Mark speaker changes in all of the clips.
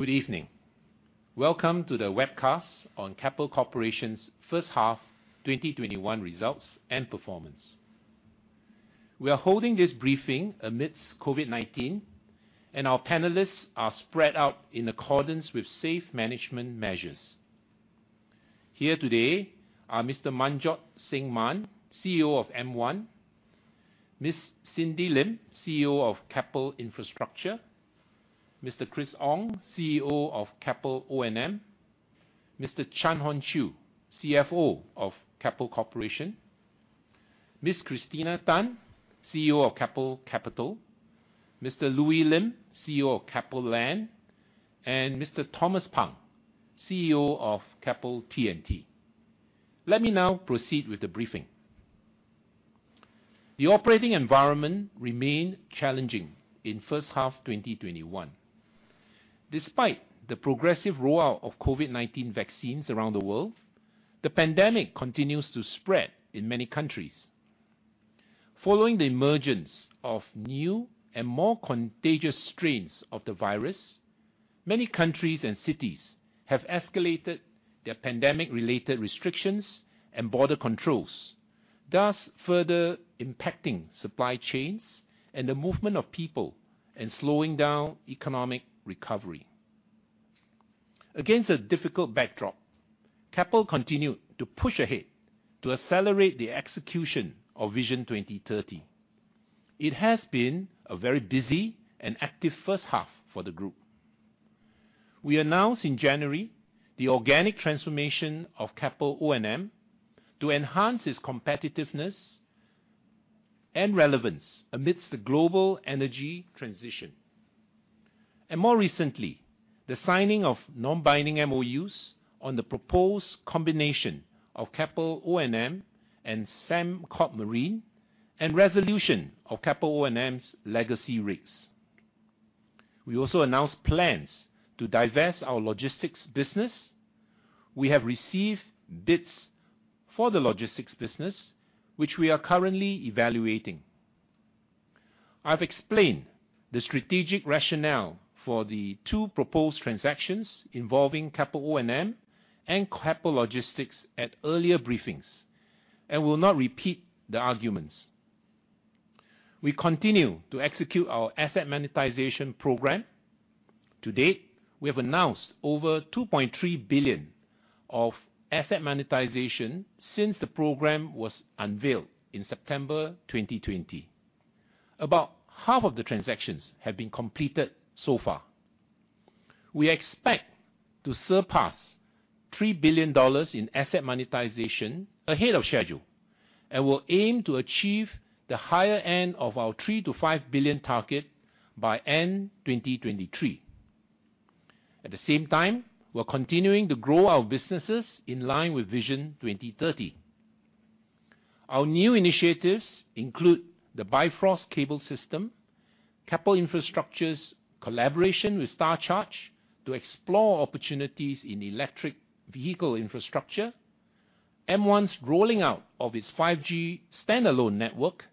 Speaker 1: Good evening. Welcome to the webcast on Keppel Corporation's first half 2021 results and performance. We are holding this briefing amidst COVID-19, and our panelists are spread out in accordance with safe management measures. Here today are Mr. Manjot Singh Mann, CEO of M1, Ms. Cindy Lim, CEO of Keppel Infrastructure, Mr. Chris Ong, CEO of Keppel O&M, Mr. Chan Hon Chew, CFO of Keppel Corporation, Ms. Christina Tan, CEO of Keppel Capital, Mr. Louis Lim, CEO of Keppel Land, and Mr. Thomas Pang, CEO of Keppel T&T. Let me now proceed with the briefing. The operating environment remained challenging in first half 2021. Despite the progressive rollout of COVID-19 vaccines around the world, the pandemic continues to spread in many countries. Following the emergence of new and more contagious strains of the virus, many countries and cities have escalated their pandemic related restrictions and border controls, thus further impacting supply chains and the movement of people and slowing down economic recovery. Against a difficult backdrop, Keppel continued to push ahead to accelerate the execution of Vision 2030. It has been a very busy and active first half for the group. We announced in January the organic transformation of Keppel O&M to enhance its competitiveness and relevance amidst the global energy transition. More recently, the signing of non-binding MOUs on the proposed combination of Keppel O&M and Sembcorp Marine and resolution of Keppel O&M's legacy rigs. We also announced plans to divest our logistics business. We have received bids for the logistics business, which we are currently evaluating. I've explained the strategic rationale for the two proposed transactions involving Keppel O&M and Keppel Logistics at earlier briefings, and will not repeat the arguments. We continue to execute our asset monetization program. To date, we have announced over 2.3 billion of asset monetization since the program was unveiled in September 2020. About half of the transactions have been completed so far. We expect to surpass 3 billion dollars in asset monetization ahead of schedule and will aim to achieve the higher end of our 3 billion-5 billion target by end 2023. At the same time, we're continuing to grow our businesses in line with Vision 2030. Our new initiatives include the Bifrost Cable System, Keppel Infrastructure's collaboration with StarCharge to explore opportunities in electric vehicle infrastructure, M1's rolling out of its 5G standalone network,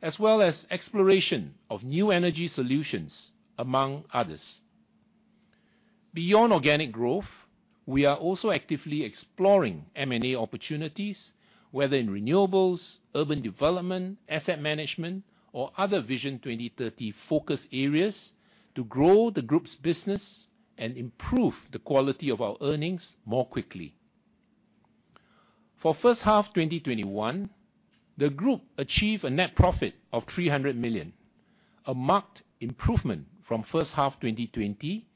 Speaker 1: as well as exploration of new energy solutions, among others. Beyond organic growth, we are also actively exploring M&A opportunities, whether in renewables, urban development, asset management, or other Vision 2030 focus areas to grow the group's business and improve the quality of our earnings more quickly. For first half 2021, the group achieved a net profit of 300 million, a marked improvement from first half 2020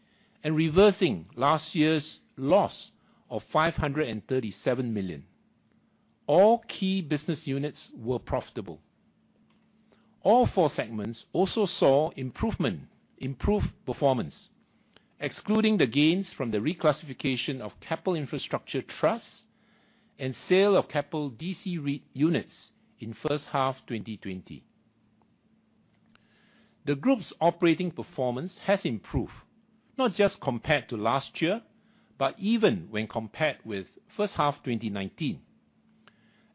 Speaker 1: and reversing last year's loss of 537 million. All key business units were profitable. All four segments also saw improved performance, excluding the gains from the reclassification of Keppel Infrastructure Trust and sale of Keppel DC REIT units in first half 2020. The group's operating performance has improved, not just compared to last year, but even when compared with first half 2019.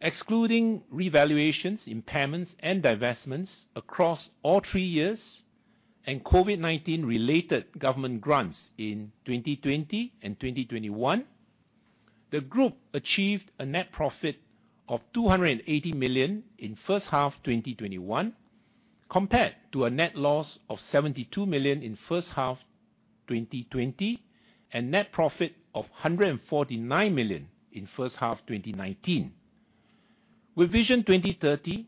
Speaker 1: Excluding revaluations, impairments, and divestments across all three years and COVID-19 related government grants in 2020 and 2021, the group achieved a net profit of SGD 280 million in first half 2021, compared to a net loss of SGD 72 million in first half 2020 and net profit of SGD 149 million in first half 2019. With Vision 2030,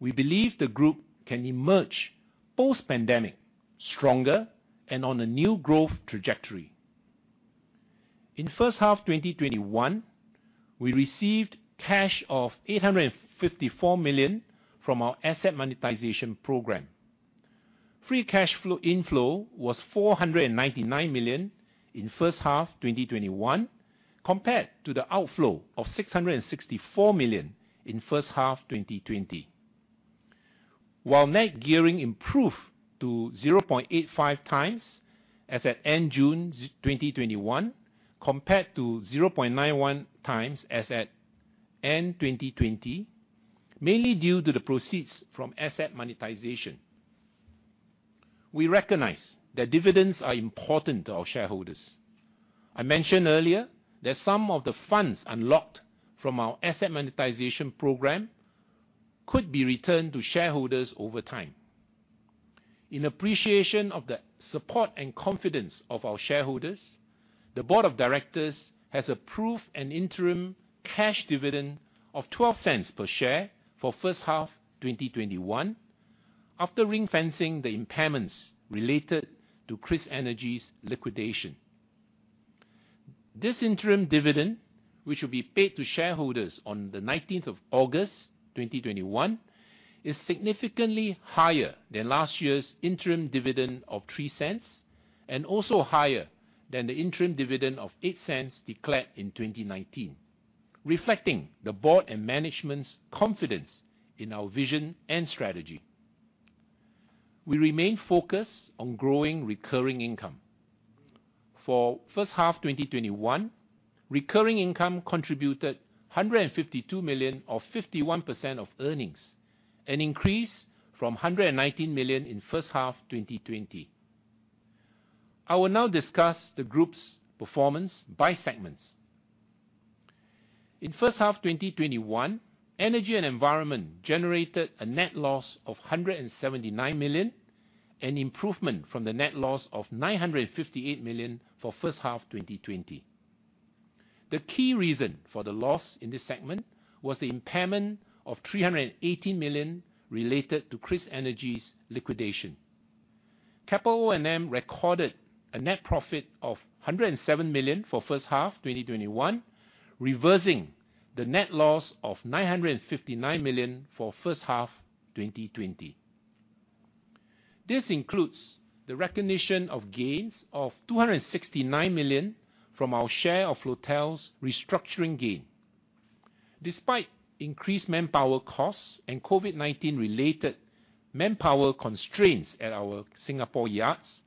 Speaker 1: we believe the group can emerge post pandemic stronger and on a new growth trajectory. In first half 2021, we received cash of 854 million from our asset monetization program. Free cash flow inflow was SGD 499 million in first half 2021, compared to the outflow of SGD 664 million in first half 2020. While net gearing improved to 0.85x as at end June 2021 compared to 0.91x as at end 2020. Mainly due to the proceeds from asset monetization. We recognize that dividends are important to our shareholders. I mentioned earlier that some of the funds unlocked from our asset monetization program could be returned to shareholders over time. In appreciation of the support and confidence of our shareholders, the board of directors has approved an interim cash dividend of 0.12 per share for first half 2021, after ring-fencing the impairments related to KrisEnergy's liquidation. This interim dividend, which will be paid to shareholders on the 19th of August 2021, is significantly higher than last year's interim dividend of 0.03, and also higher than the interim dividend of 0.08 declared in 2019, reflecting the board and management's confidence in our vision and strategy. We remain focused on growing recurring income. For first half 2021, recurring income contributed 152 million, or 51% of earnings, an increase from 119 million in first half 2020. I will now discuss the group's performance by segments. In first half 2021, Energy and Environment generated a net loss of 179 million, an improvement from the net loss of 958 million for first half 2020. The key reason for the loss in this segment was the impairment of 318 million related to KrisEnergy's liquidation. Keppel O&M recorded a net profit of 107 million for first half 2021, reversing the net loss of 959 million for first half 2020. This includes the recognition of gains of 269 million from our share of Floatel's restructuring gain. Despite increased manpower costs and COVID-19 related manpower constraints at our Singapore yards,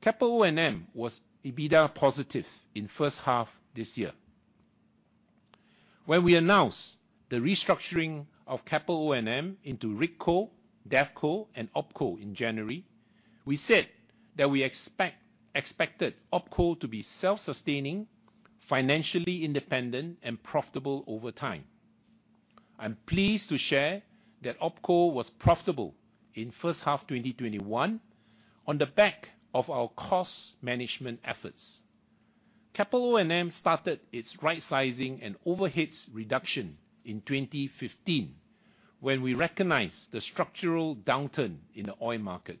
Speaker 1: Keppel O&M was EBITDA positive in first half this year. When we announced the restructuring of Keppel O&M into RigCo, DevCo, and OpCo in January, we said that we expected OpCo to be self-sustaining, financially independent, and profitable over time. I'm pleased to share that OpCo was profitable in first half 2021, on the back of our cost management efforts. Keppel O&M started its right sizing and overheads reduction in 2015, when we recognized the structural downturn in the oil market.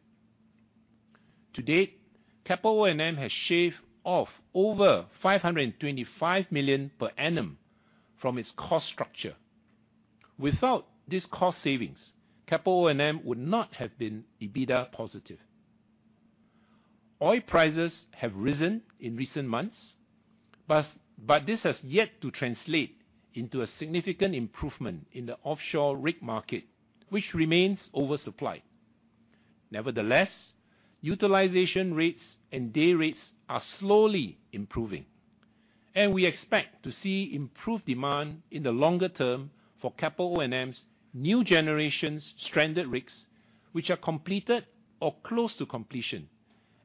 Speaker 1: To date, Keppel O&M has shaved off over 525 million per annum from its cost structure. Without this cost savings, Keppel O&M would not have been EBITDA positive. Oil prices have risen in recent months, this has yet to translate into a significant improvement in the offshore rig market, which remains oversupplied. Nevertheless, utilization rates and day rates are slowly improving, and we expect to see improved demand in the longer term for Keppel O&M's new generation stranded rigs, which are completed or close to completion,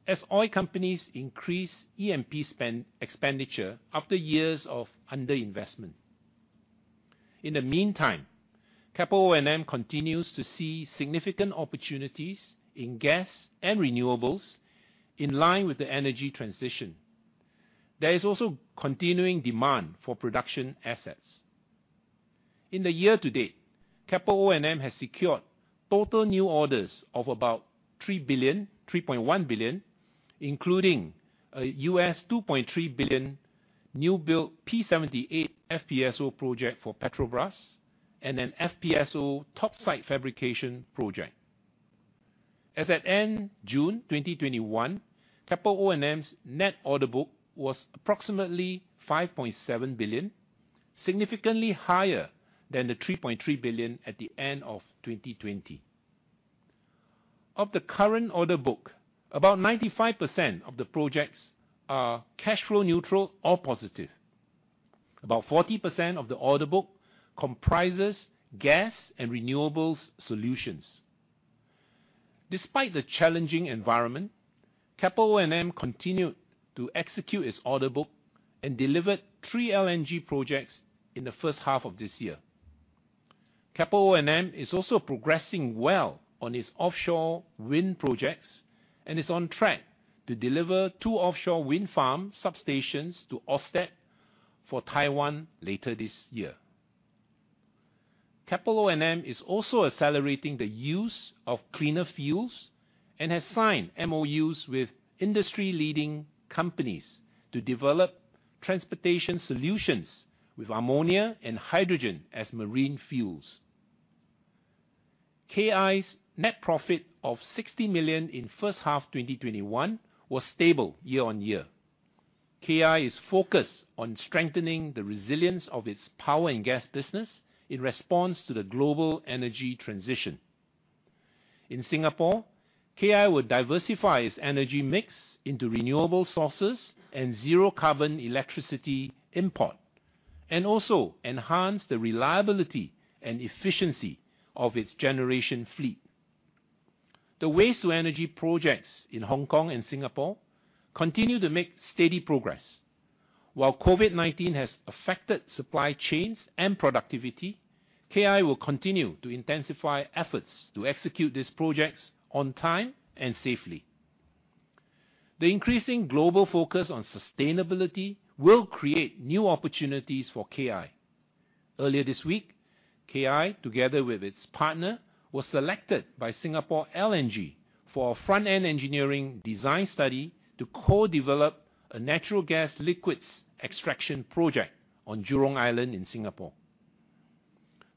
Speaker 1: as oil companies increase E&P expenditure after years of underinvestment. In the meantime, Keppel O&M continues to see significant opportunities in gas and renewables in line with the energy transition. There is also continuing demand for production assets. In the year to date, Keppel O&M has secured total new orders of about 3.1 billion, including a $2.3 billion new build P-78 FPSO project for Petrobras, and an FPSO topside fabrication project. As at end June 2021, Keppel O&M's net order book was approximately 5.7 billion, significantly higher than the 3.3 billion at the end of 2020. Of the current order book, about 95% of the projects are cash flow neutral or positive. About 40% of the order book comprises gas and renewables solutions. Despite the challenging environment, Keppel O&M continued to execute its order book and delivered three LNG projects in the first half of this year. Keppel O&M is also progressing well on its offshore wind projects and is on track to deliver two offshore wind farm substations to Ørsted for Taiwan later this year. Keppel O&M is also accelerating the use of cleaner fuels and has signed MOUs with industry-leading companies to develop transportation solutions with ammonia and hydrogen as marine fuels. KI's net profit of 60 million in first half 2021 was stable year-on-year. KI is focused on strengthening the resilience of its power and gas business in response to the global energy transition. In Singapore, KI will diversify its energy mix into renewable sources and zero carbon electricity import, and also enhance the reliability and efficiency of its generation fleet. The waste to energy projects in Hong Kong and Singapore continue to make steady progress. While COVID-19 has affected supply chains and productivity, KI will continue to intensify efforts to execute these projects on time and safely. The increasing global focus on sustainability will create new opportunities for KI. Earlier this week, KI, together with its partner, was selected by Singapore LNG for a front-end engineering design study to co-develop a natural gas liquids extraction project on Jurong Island in Singapore.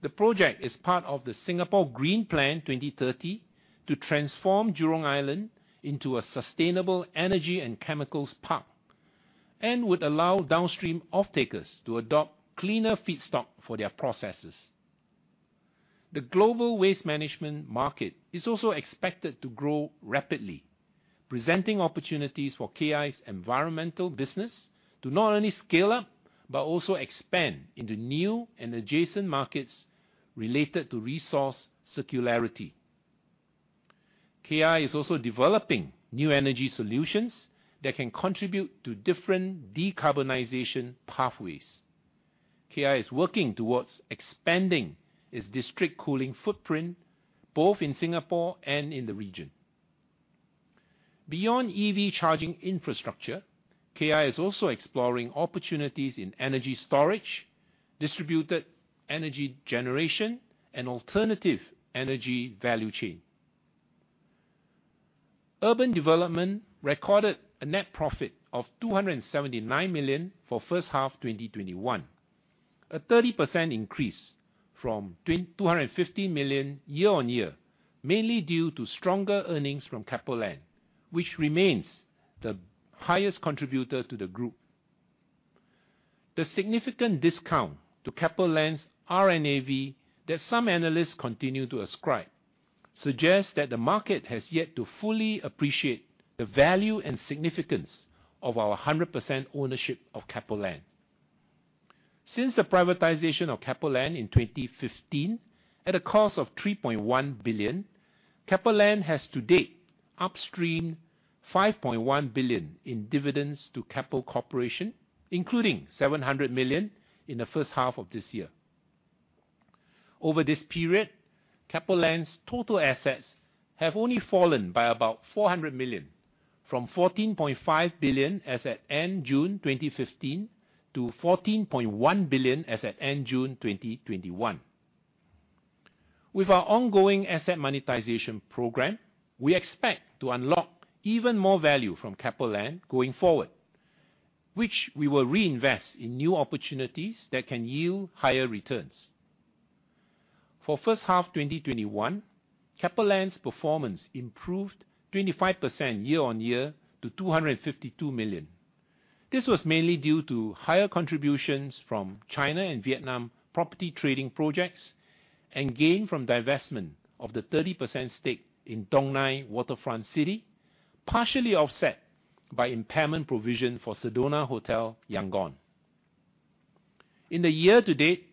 Speaker 1: The project is part of the Singapore Green Plan 2030 to transform Jurong Island into a sustainable energy and chemicals park, and would allow downstream off-takers to adopt cleaner feedstock for their processes. The global waste management market is also expected to grow rapidly, presenting opportunities for KI's environmental business to not only scale up, but also expand into new and adjacent markets related to resource circularity. KI is also developing new energy solutions that can contribute to different decarbonization pathways. KI is working towards expanding its district cooling footprint both in Singapore and in the region. Beyond EV charging infrastructure, KI is also exploring opportunities in energy storage, distributed energy generation, and alternative energy value chain. Urban development recorded a net profit of SGD 279 million for first half 2021, a 30% increase from SGD 250 million year-on-year, mainly due to stronger earnings from Keppel Land, which remains the highest contributor to the group. The significant discount to Keppel Land's RNAV that some analysts continue to ascribe suggests that the market has yet to fully appreciate the value and significance of our 100% ownership of Keppel Land. Since the privatization of Keppel Land in 2015 at a cost of 3.1 billion, Keppel Land has to date upstream 5.1 billion in dividends to Keppel Corporation, including 700 million in the first half of this year. Over this period, Keppel Land's total assets have only fallen by about 400 million, from 14.5 billion as at end June 2015 to 14.1 billion as at end June 2021. With our ongoing asset monetization program, we expect to unlock even more value from Keppel Land going forward, which we will reinvest in new opportunities that can yield higher returns. For first half 2021, Keppel Land's performance improved 25% year-on-year to SGD 252 million. This was mainly due to higher contributions from China and Vietnam property trading projects and gain from divestment of the 30% stake in Dong Nai Waterfront City, partially offset by impairment provision for Sedona Hotel, Yangon. In the year to date,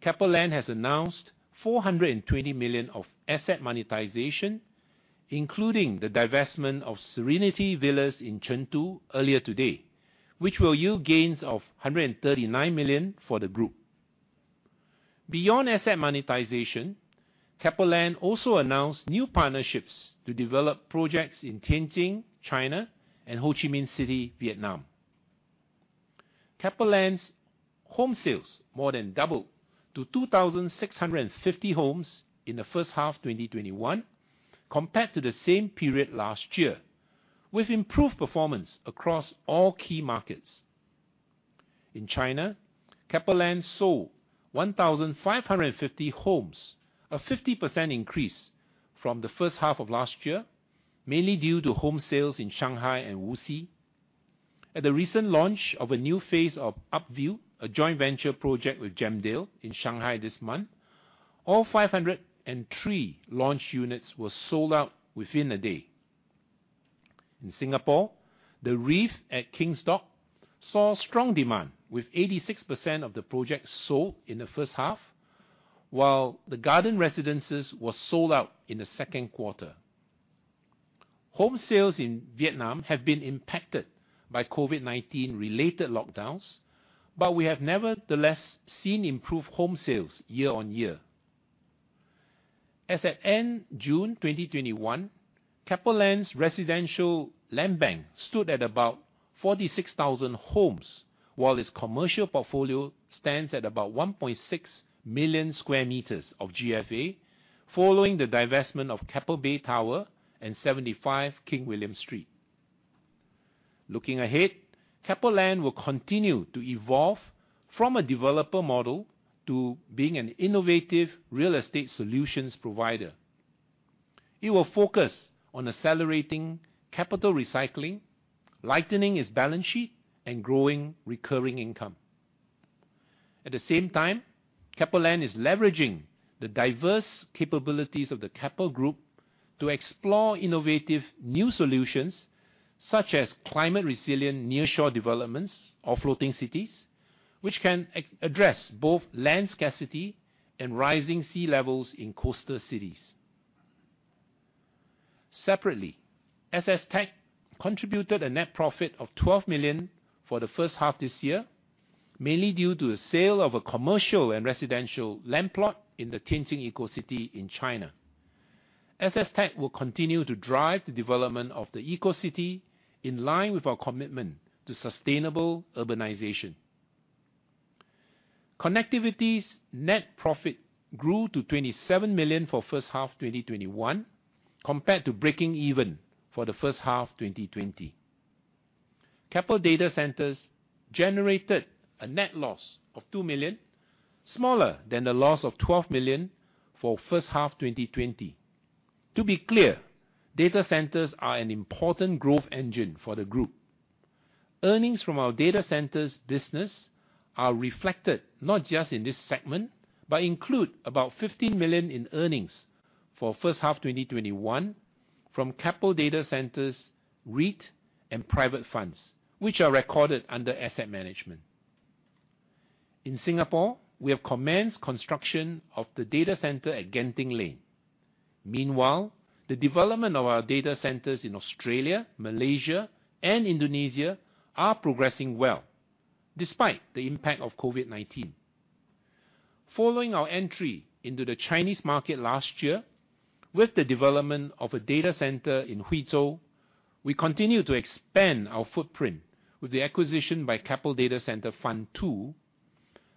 Speaker 1: Keppel Land has announced 420 million of asset monetization, including the divestment of Serenity Villas in Chengdu earlier today, which will yield gains of 139 million for the group. Beyond asset monetization, Keppel Land also announced new partnerships to develop projects in Tianjin, China, and Ho Chi Minh City, Vietnam. Keppel Land's home sales more than doubled to 2,650 homes in the first half 2021 compared to the same period last year, with improved performance across all key markets. In China, Keppel Land sold 1,550 homes, a 50% increase from the first half of last year, mainly due to home sales in Shanghai and Wuxi. At the recent launch of a new phase of UpView, a joint venture project with Gemdale in Shanghai this month, all 503 launch units were sold out within a day. In Singapore, The Reef at King's Dock saw strong demand with 86% of the project sold in the first half, while the Garden Residences were sold out in the second quarter. Home sales in Vietnam have been impacted by COVID-19 related lockdowns, but we have nevertheless seen improved home sales year on year. As at end June 2021, Keppel Land's residential land bank stood at about 46,000 homes, while its commercial portfolio stands at about 1.6 million sq m of GFA following the divestment of Keppel Bay Tower and 75 King William Street. Looking ahead, Keppel Land will continue to evolve from a developer model to being an innovative real estate solutions provider. It will focus on accelerating capital recycling, lightening its balance sheet, and growing recurring income. At the same time, Keppel Land is leveraging the diverse capabilities of the Keppel Group to explore innovative new solutions, such as climate-resilient nearshore developments or floating cities, which can address both land scarcity and rising sea levels in coastal cities. Separately, SSTech contributed a net profit of 12 million for the 1st half of this year, mainly due to the sale of a commercial and residential land plot in the Tianjin Eco-City in China. SSTech will continue to drive the development of the Eco-City in line with our commitment to sustainable urbanization. Connectivity's net profit grew to 27 million for first half 2021 compared to breaking even for the first half 2020. Keppel Data Centres generated a net loss of 2 million, smaller than the loss of 12 million for first half 2020. To be clear, data centers are an important growth engine for the group. Earnings from our data centers business are reflected not just in this segment but include about 15 million in earnings for first half 2021 from Keppel DC REIT and private funds, which are recorded under asset management. In Singapore, we have commenced construction of the data centre at Genting Lane. The development of our data centres in Australia, Malaysia, and Indonesia are progressing well despite the impact of COVID-19. Following our entry into the Chinese market last year with the development of a data centre in Huizhou, we continue to expand our footprint with the acquisition by Keppel Data Centre Fund II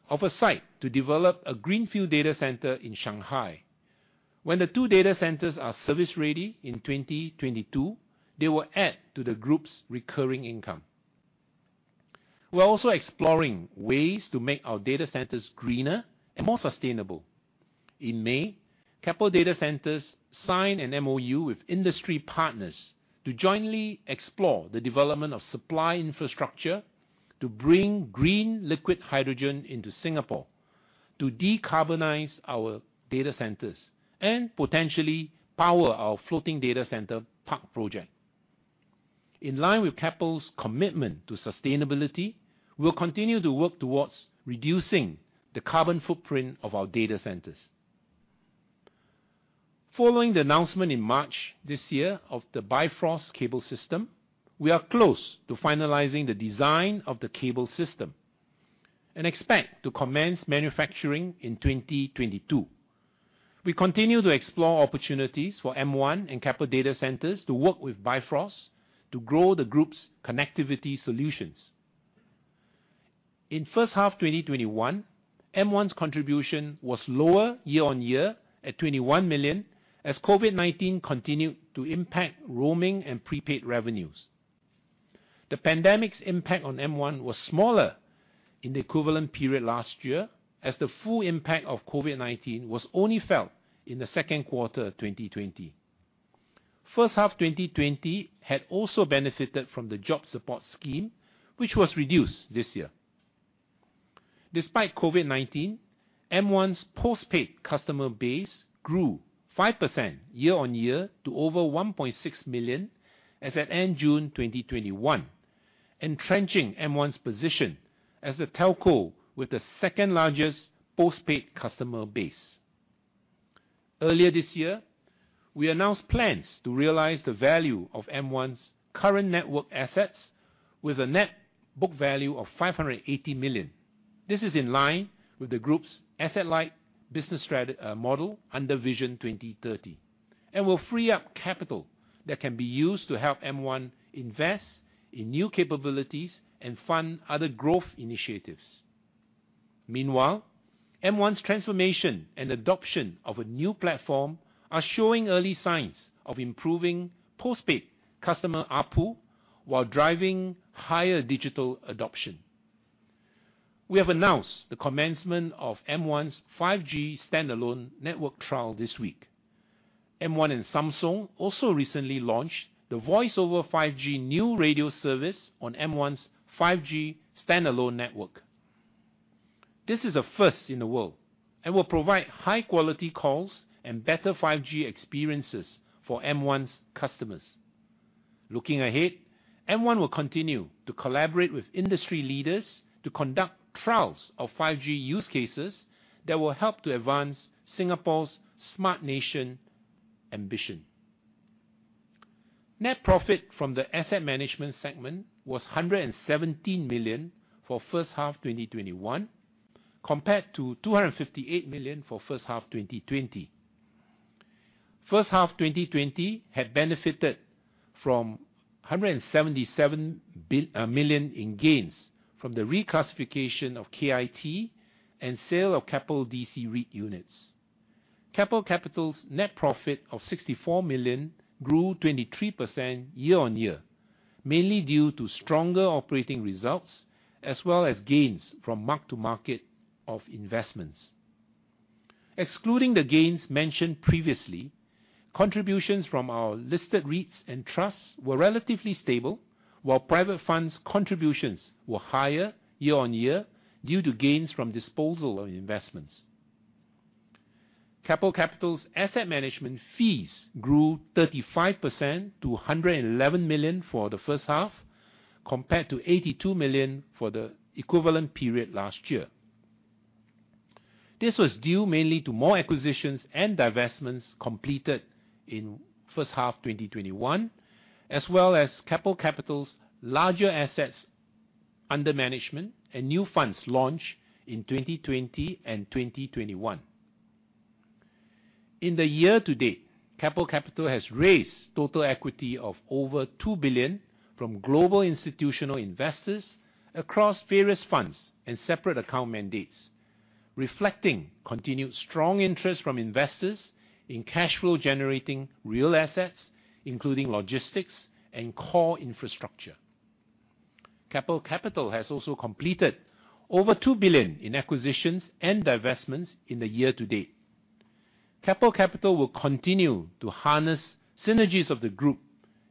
Speaker 1: of a site to develop a greenfield data centre in Shanghai. When the two data centres are service ready in 2022, they will add to the group's recurring income. We're also exploring ways to make our data centres greener and more sustainable. In May, Keppel Data Centres signed an MoU with industry partners to jointly explore the development of supply infrastructure to bring green liquid hydrogen into Singapore to decarbonize our data centres and potentially power our floating data centre park project. In line with Keppel's commitment to sustainability, we'll continue to work towards reducing the carbon footprint of our data centres. Following the announcement in March this year of the Bifrost Cable System, we are close to finalizing the design of the cable system and expect to commence manufacturing in 2022. We continue to explore opportunities for M1 and Keppel Data Centres to work with Bifrost to grow the group's connectivity solutions. In first half 2021, M1's contribution was lower year-on-year at 21 million, as COVID-19 continued to impact roaming and prepaid revenues. The pandemic's impact on M1 was smaller in the equivalent period last year as the full impact of COVID-19 was only felt in the second quarter of 2020. First half 2020 had also benefited from the Jobs Support Scheme, which was reduced this year. Despite COVID-19, M1's postpaid customer base grew 5% year on year to over 1.6 million as at end June 2021, entrenching M1's position as the telco with the second largest postpaid customer base. Earlier this year, we announced plans to realize the value of M1's current network assets with a net book value of 580 million. This is in line with the group's asset-light business model under Vision 2030 and will free up capital that can be used to help M1 invest in new capabilities and fund other growth initiatives. Meanwhile, M1's transformation and adoption of a new platform are showing early signs of improving postpaid customer ARPU while driving higher digital adoption. We have announced the commencement of M1's 5G standalone network trial this week. M1 and Samsung also recently launched the voice-over-5G New Radio service on M1's 5G standalone network. This is a first in the world and will provide high-quality calls and better 5G experiences for M1's customers. Looking ahead, M1 will continue to collaborate with industry leaders to conduct trials of 5G use cases that will help to advance Singapore's smart nation ambition. Net profit from the asset management segment was 117 million for first half 2021 compared to 258 million for first half 2020. First half 2020 had benefited from 177 million in gains from the reclassification of KIT and sale of Keppel DC REIT units. Keppel Capital's net profit of SGD 64 million grew 23% year-on-year, mainly due to stronger operating results as well as gains from mark-to-market of investments. Excluding the gains mentioned previously, contributions from our listed REITs and trusts were relatively stable, while private funds contributions were higher year-on-year due to gains from disposal of investments. Keppel Capital's asset management fees grew 35% to 111 million for the first half, compared to 82 million for the equivalent period last year. This was due mainly to more acquisitions and divestments completed in first half 2021, as well as Keppel Capital's larger assets under management and new funds launch in 2020 and 2021. In the year to date, Keppel Capital has raised total equity of over SGD 2 billion from global institutional investors across various funds and separate account mandates, reflecting continued strong interest from investors in cash flow generating real assets, including logistics and core infrastructure. Keppel Capital has also completed over 2 billion in acquisitions and divestments in the year to date. Keppel Capital will continue to harness synergies of the group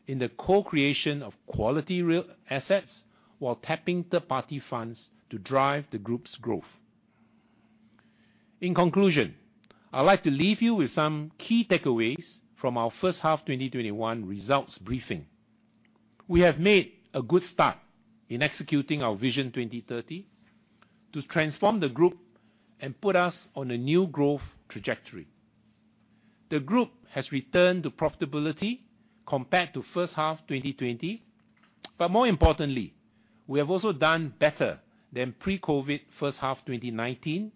Speaker 1: in the co-creation of quality real assets while tapping third-party funds to drive the group's growth. In conclusion, I'd like to leave you with some key takeaways from our first half 2021 results briefing. We have made a good start in executing our Vision 2030 to transform the group and put us on a new growth trajectory. The group has returned to profitability compared to first half 2020, but more importantly, we have also done better than pre-COVID first half 2019,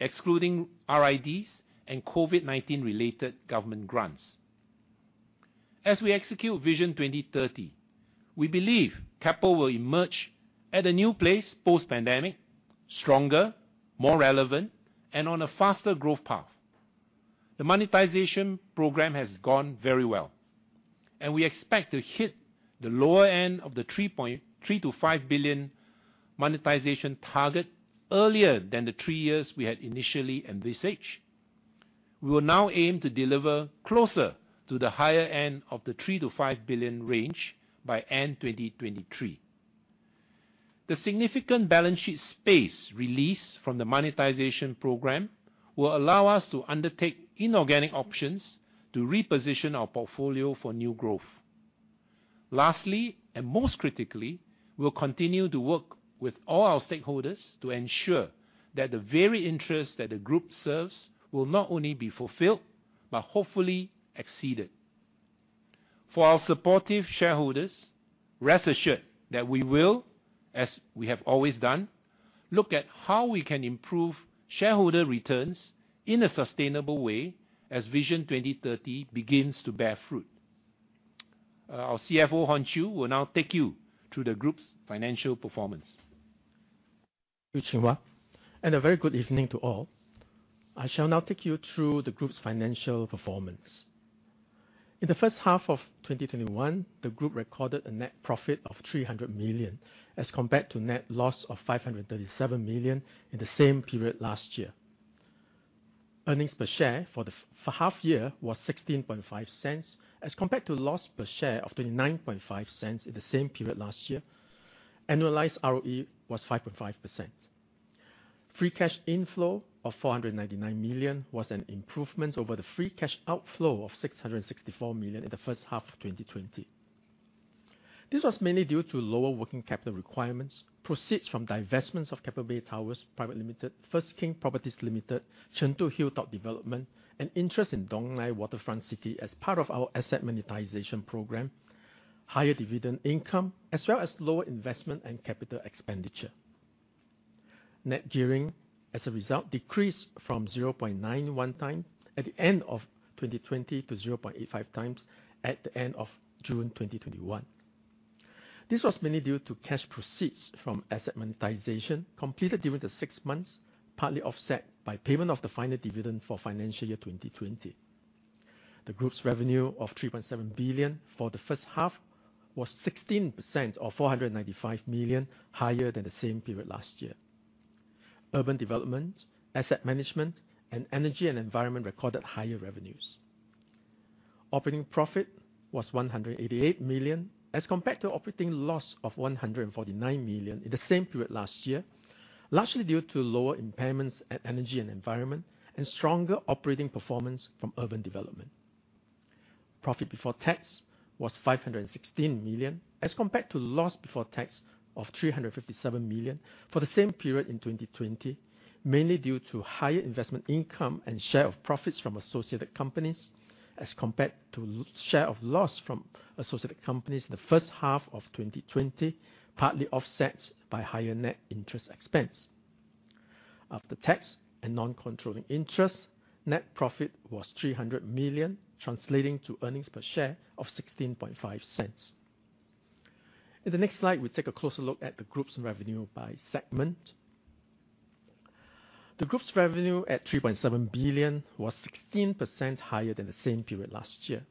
Speaker 1: excluding RIDs and COVID-19 related government grants. As we execute Vision 2030, we believe Keppel will emerge at a new place post-pandemic, stronger, more relevant, and on a faster growth path. The monetization program has gone very well, and we expect to hit the lower end of the 3 billion-5 billion monetization target earlier than the three years we had initially envisaged. We will now aim to deliver closer to the higher end of the 3 billion-5 billion range by end 2023. The significant balance sheet space released from the monetization program will allow us to undertake inorganic options to reposition our portfolio for new growth. Lastly, most critically, we'll continue to work with all our stakeholders to ensure that the varied interests that the group serves will not only be fulfilled but hopefully exceeded. For our supportive shareholders, rest assured that we will, as we have always done, look at how we can improve shareholder returns in a sustainable way as Vision 2030 begins to bear fruit. Our CFO, Chan Hon Chew, will now take you through the group's financial performance.
Speaker 2: Thanks Chun Hua. A very good evening to all. I shall now take you through the group's financial performance. In the first half of 2021, the group recorded a net profit of 300 million, as compared to net loss of 537 million in the same period last year. Earnings per share for half year was 0.165, as compared to loss per share of 0.295 in the same period last year. Annualized ROE was 5.5%. Free cash inflow of 499 million was an improvement over the free cash outflow of 664 million in the first half of 2020. This was mainly due to lower working capital requirements, proceeds from divestments of Keppel Bay Tower Pte. Ltd., First King Properties Limited, Chengdu Hilltop Development, and interest in Dong Nai Waterfront City as part of our asset monetization program, higher dividend income, as well as lower investment and capital expenditure. Net gearing, as a result, decreased from 0.91 times at the end of 2020 to 0.85 times at the end of June 2021. This was mainly due to cash proceeds from asset monetization completed during the 6 months, partly offset by payment of the final dividend for financial year 2020. The group's revenue of 3.7 billion for the first half was 16%, or 495 million, higher than the same period last year. Urban Development, Asset Management, and Energy and Environment recorded higher revenues. Operating profit was 188 million, as compared to operating loss of 149 million in the same period last year, largely due to lower impairments at Energy and Environment and stronger operating performance from Urban Development. Profit before tax was 516 million, as compared to loss before tax of 357 million for the same period in 2020, mainly due to higher investment income and share of profits from associated companies as compared to share of loss from associated companies in the first half of 2020, partly offset by higher net interest expense. After tax and non-controlling interests, net profit was 300 million, translating to earnings per share of 0.165. In the next slide, we take a closer look at the group's revenue by segment. The group's revenue at 3.7 billion was 16% higher than the same period last year.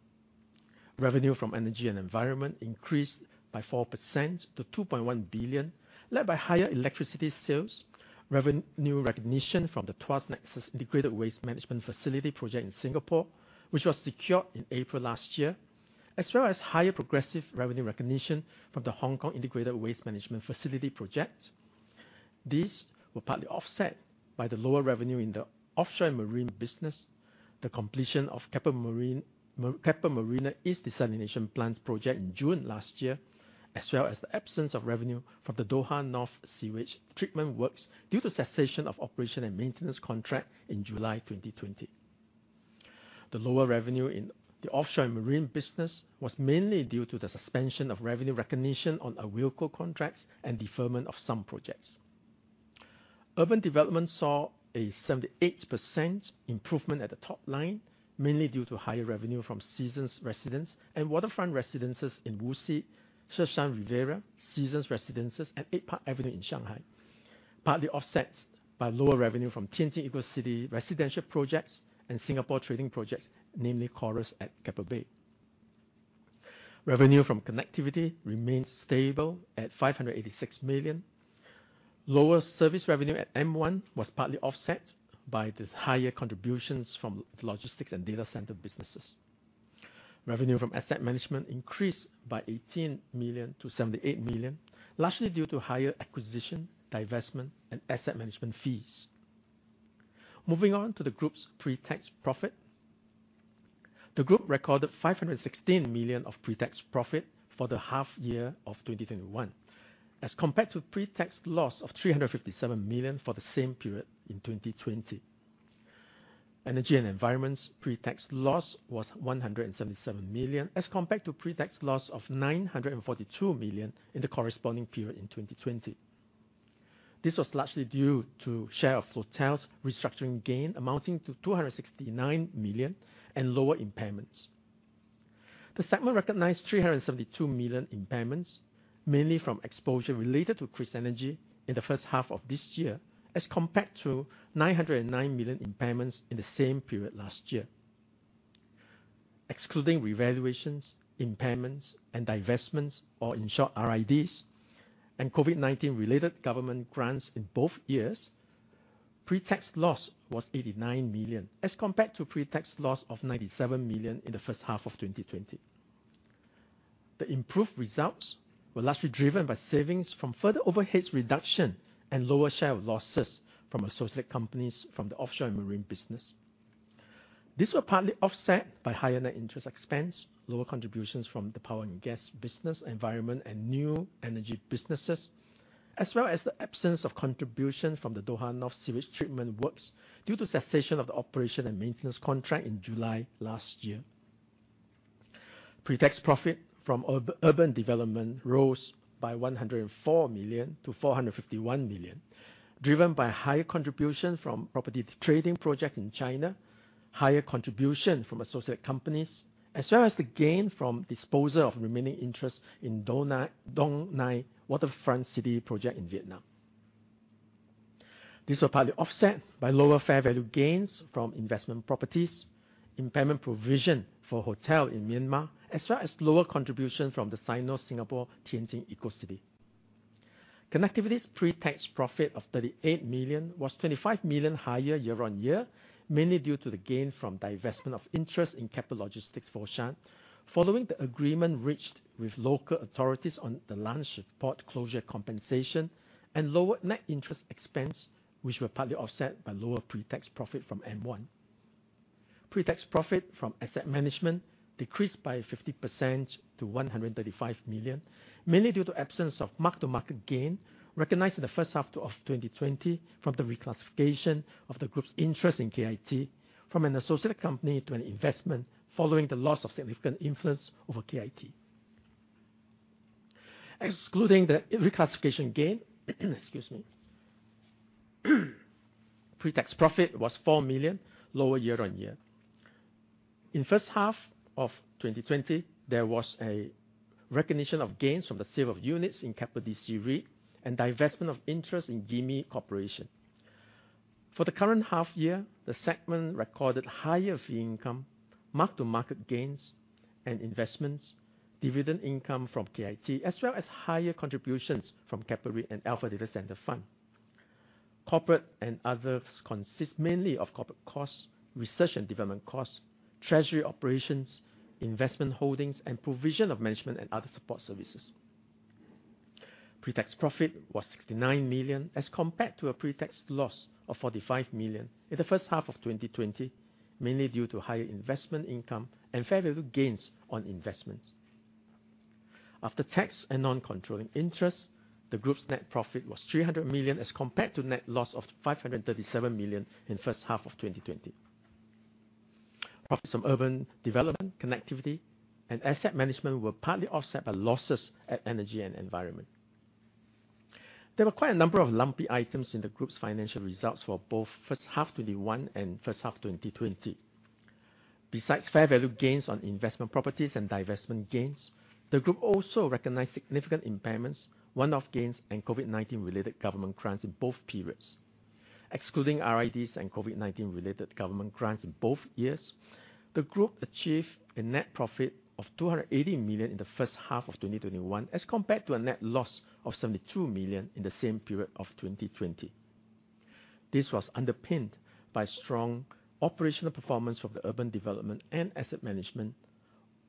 Speaker 2: Revenue from energy and environment increased by 4% to 2.1 billion, led by higher electricity sales, revenue recognition from the Tuas Nexus Integrated Waste Management Facility project in Singapore, which was secured in April last year, as well as higher progressive revenue recognition from the Hong Kong Integrated Waste Management Facility project. These were partly offset by the lower revenue in the offshore and marine business, the completion of Keppel Marina East Desalination Plant project in June last year, as well as the absence of revenue from the Doha North Sewage Treatment Works due to cessation of operation and maintenance contract in July 2020. The lower revenue in the offshore and marine business was mainly due to the suspension of revenue recognition on a rig contracts and deferment of some projects. Urban development saw a 78% improvement at the top line, mainly due to higher revenue from Seasons Residences and Waterfront Residences in Wuxi, Sheshan Riviera, Seasons Residences, and 8 Park Avenue in Shanghai, partly offset by lower revenue from Tianjin Eco-City residential projects and Singapore trading projects, namely Corals at Keppel Bay. Revenue from connectivity remains stable at 586 million. Lower service revenue at M1 was partly offset by the higher contributions from logistics and data center businesses. Revenue from asset management increased by 18 million to 78 million, largely due to higher acquisition, divestment, and asset management fees. Moving on to the group's pre-tax profit. The group recorded 516 million of pre-tax profit for the half year of 2021 as compared to pre-tax loss of 357 million for the same period in 2020. Energy and Environment's pre-tax loss was 177 million as compared to pre-tax loss of 942 million in the corresponding period in 2020. This was largely due to share of Floatel's restructuring gain amounting to 269 million and lower impairments. The segment recognized 372 million impairments, mainly from exposure related to KrisEnergy in the first half of this year, as compared to 909 million impairments in the same period last year. Excluding revaluations, impairments, and divestments, or in short, RIDs, and COVID-19 related government grants in both years, pre-tax loss was 89 million as compared to pre-tax loss of 97 million in the first half of 2020. The improved results were largely driven by savings from further overheads reduction and lower share of losses from associate companies from the offshore and marine business. These were partly offset by higher net interest expense, lower contributions from the power and gas business environment and new energy businesses, as well as the absence of contribution from the Doha North Sewage Treatment Works due to cessation of the operation and maintenance contract in July last year. Pre-tax profit from urban development rose by 104 million to 451 million, driven by higher contribution from property trading projects in China, higher contribution from associate companies, as well as the gain from disposal of remaining interest in Dong Nai Waterfront City project in Vietnam. This was partly offset by lower fair value gains from investment properties, impairment provision for hotel in Myanmar, as well as lower contribution from the Sino-Singapore Tianjin Eco-City. Connectivity's pre-tax profit of 38 million was 25 million higher year-on-year, mainly due to the gain from divestment of interest in Keppel Logistics Foshan, following the agreement reached with local authorities on the Lanshan Port closure compensation and lower net interest expense, which were partly offset by lower pre-tax profit from M1. Pre-tax profit from asset management decreased by 50% to 135 million, mainly due to absence of mark-to-market gain recognized in the first half of 2020 from the reclassification of the group's interest in KIT from an associate company to an investment following the loss of significant influence over KIT. Excluding the reclassification gain, pre-tax profit was 4 million lower year-on-year. In first half of 2020, there was a recognition of gains from the sale of units in Keppel DC REIT and divestment of interest in Gimi Corporation. For the current half year, the segment recorded higher fee income, mark-to-market gains and investments, dividend income from KIT, as well as higher contributions from Keppel REIT and Alpha Data Centre Fund. Corporate and others consist mainly of corporate costs, research and development costs, treasury operations, investment holdings, and provision of management and other support services. Pre-tax profit was 69 million as compared to a pre-tax loss of 45 million in the first half of 2020, mainly due to higher investment income and fair value gains on investments. After tax and non-controlling interests, the group's net profit was 300 million as compared to net loss of 537 million in the first half of 2020. Profits from urban development, connectivity, and asset management were partly offset by losses at energy and environment. There were quite a number of lumpy items in the group's financial results for both first half 2021 and first half 2020. Besides fair value gains on investment properties and divestment gains, the group also recognized significant impairments, one-off gains, and COVID-19 related government grants in both periods. Excluding RIDs and COVID-19 related government grants in both years, the group achieved a net profit of 280 million in the first half of 2021, as compared to a net loss of 72 million in the same period of 2020. This was underpinned by strong operational performance from the urban development and asset management,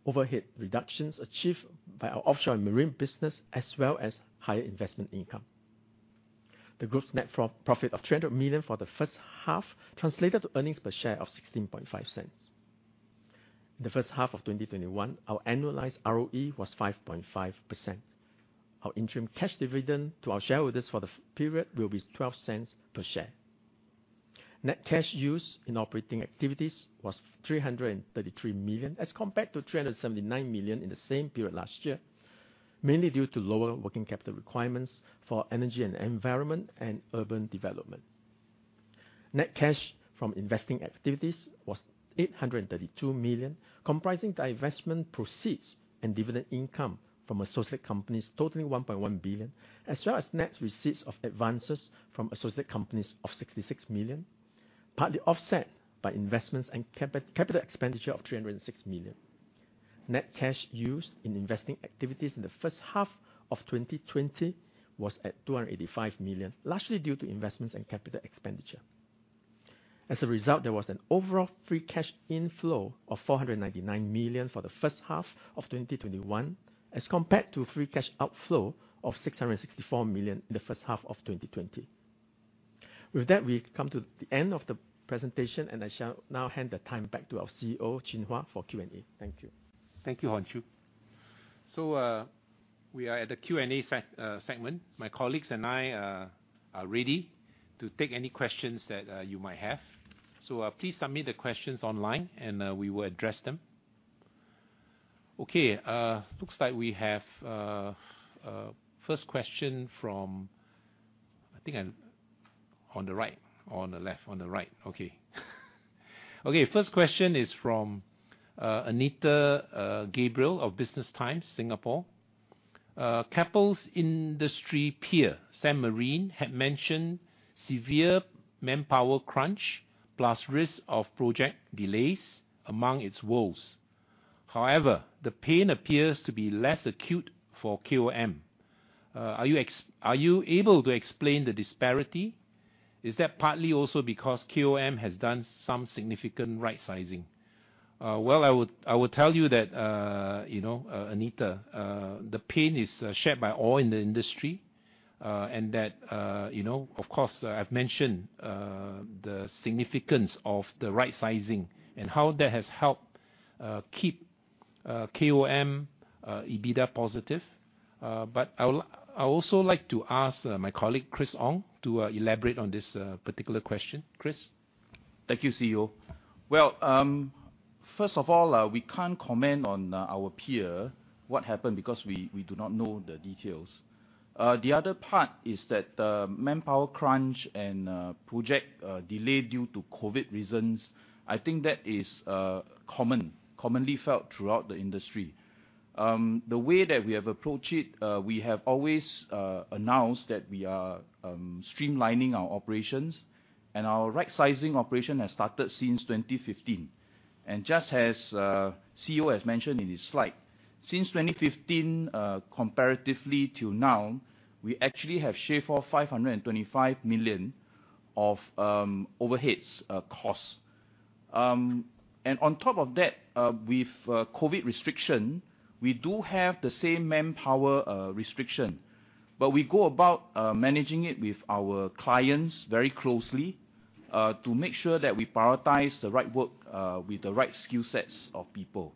Speaker 2: overhead reductions achieved by our offshore and marine business, as well as higher investment income. The group's net profit of 300 million for the first half translated to earnings per share of 0.165. In the first half of 2021, our annualized ROE was 5.5%. Our interim cash dividend to our shareholders for the period will be 0.12 per share. Net cash used in operating activities was 333 million as compared to 379 million in the same period last year, mainly due to lower working capital requirements for energy and environment and urban development. Net cash from investing activities was 832 million, comprising divestment proceeds and dividend income from associate companies totaling 1.1 billion, as well as net receipts of advances from associate companies of 66 million, partly offset by investments and capital expenditure of 306 million. Net cash used in investing activities in the first half of 2020 was at 285 million, largely due to investments and capital expenditure. As a result, there was an overall free cash inflow of 499 million for the first half of 2021, as compared to free cash outflow of 664 million in the first half of 2020. With that, we've come to the end of the presentation, and I shall now hand the time back to our CEO, Chin Hua, for Q&A. Thank you.
Speaker 1: Thank you, Chan Hon Chew. We are at the Q&A segment. My colleagues and I are ready to take any questions that you might have. Please submit the questions online, and we will address them. Looks like we have first question from, I think on the right or on the left? On the right. First question is from Anita Gabriel of The Business Times Singapore. "Keppel's industry peer, Sembcorp Marine, had mentioned severe manpower crunch plus risk of project delays among its woes. However, the pain appears to be less acute for KOM. Are you able to explain the disparity? Is that partly also because KOM has done some significant right sizing?" Well, I will tell you that, Anita, the pain is shared by all in the industry, that of course, I've mentioned the significance of the right sizing and how that has helped keep KOM EBITDA positive. I also like to ask my colleague, Chris Ong, to elaborate on this particular question. Chris?
Speaker 3: Thank you, CEO. Well, first of all, we can't comment on our peer, what happened, because we do not know the details. The other part is that the manpower crunch and project delay due to COVID reasons, I think that is commonly felt throughout the industry. The way that we have approached it, we have always announced that we are streamlining our operations, and our right sizing operation has started since 2015. Just as CEO has mentioned in his slide, since 2015, comparatively till now, we actually have shaved off 525 million of overheads cost. On top of that, with COVID restriction, we do have the same manpower restriction. We go about managing it with our clients very closely, to make sure that we prioritize the right work with the right skill sets of people.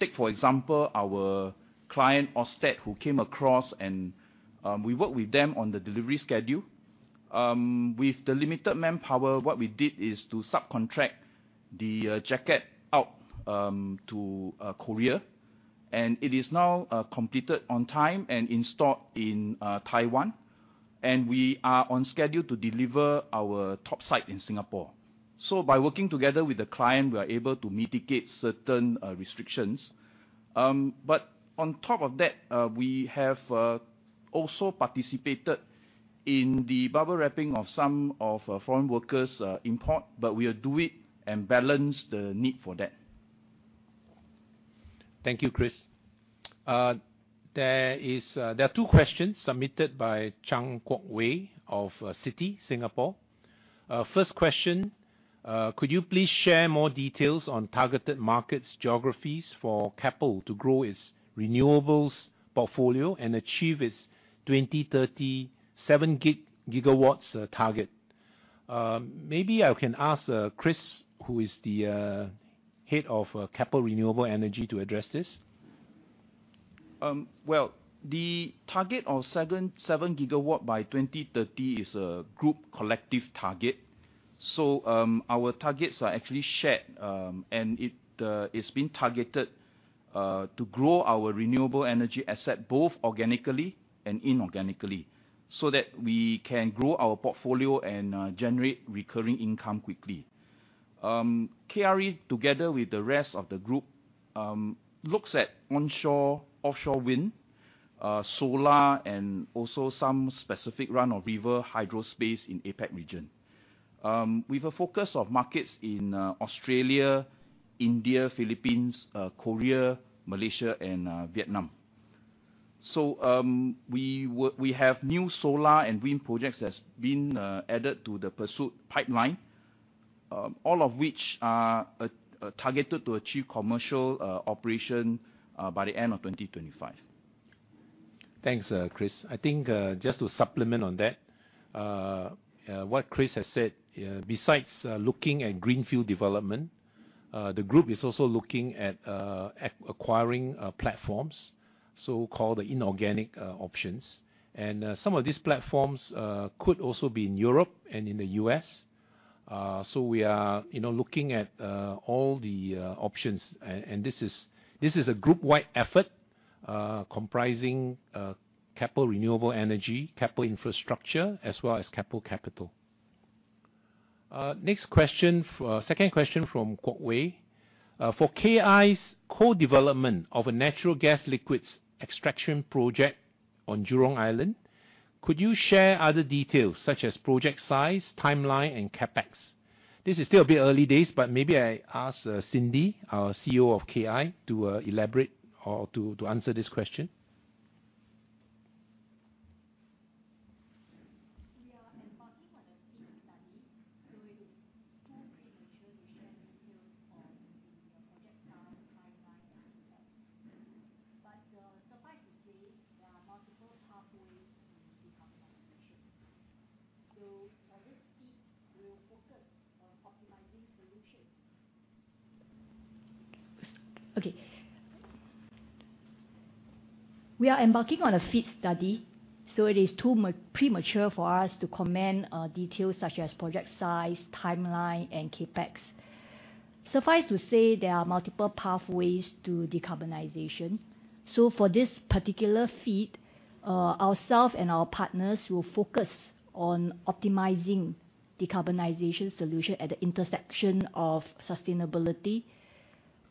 Speaker 3: Take for example, our client, Ørsted, who came across and we work with them on the delivery schedule. With the limited manpower, what we did is to subcontract the jacket out to Korea, and it is now completed on time and installed in Taiwan. We are on schedule to deliver our top site in Singapore. By working together with the client, we are able to mitigate certain restrictions. On top of that, we have also participated in the bubble wrapping of some of foreign workers import, but we will do it and balance the need for that.
Speaker 1: Thank you, Chris. There are two questions submitted by Chang Kok Wei of Citi Singapore. First question, could you please share more details on targeted markets geographies for Keppel to grow its renewables portfolio and achieve its 2030 7 gigawatts target? I can ask Chris, who is the head of Keppel Renewable Energy, to address this.
Speaker 3: Well, the target of 7 gigawatt by 2030 is a group collective target. Our targets are actually shared, and it's been targeted to grow our renewable energy asset both organically and inorganically, so that we can grow our portfolio and generate recurring income quickly. KRE together with the rest of the group looks at onshore, offshore wind, solar, and also some specific run-of-river hydro space in APAC region. With a focus on markets in Australia, India, Philippines, Korea, Malaysia, and Vietnam. We have new solar and wind projects that's been added to the pursuit pipeline, all of which are targeted to achieve commercial operation by the end of 2025.
Speaker 1: Thanks, Chris. I think just to supplement on that, what Chris has said, besides looking at greenfield development, the group is also looking at acquiring platforms, so-called the inorganic options. Some of these platforms could also be in Europe and in the U.S. We are looking at all the options and this is a group-wide effort comprising Keppel Renewable Energy, Keppel Infrastructure, as well as Keppel Capital. Second question from Chang Kok Wei. "For KI's co-development of a natural gas liquids extraction project on Jurong Island, could you share other details such as project size, timeline, and CapEx?" This is still a bit early days, but maybe I ask Cindy, our CEO of KI, to elaborate or to answer this question.
Speaker 4: We are embarking on a FEED study, it is too premature for us to comment on details such as project size, timeline, and CapEx. Suffice to say, there are multiple pathways to decarbonization. For this FEED, we'll focus on optimizing solution. We are embarking on a FEED study, it is too premature for us to comment on details such as project size, timeline, and CapEx. Suffice to say, there are multiple pathways to decarbonization. For this particular FEED, ourself and our partners will focus on optimizing decarbonization solution at the intersection of sustainability,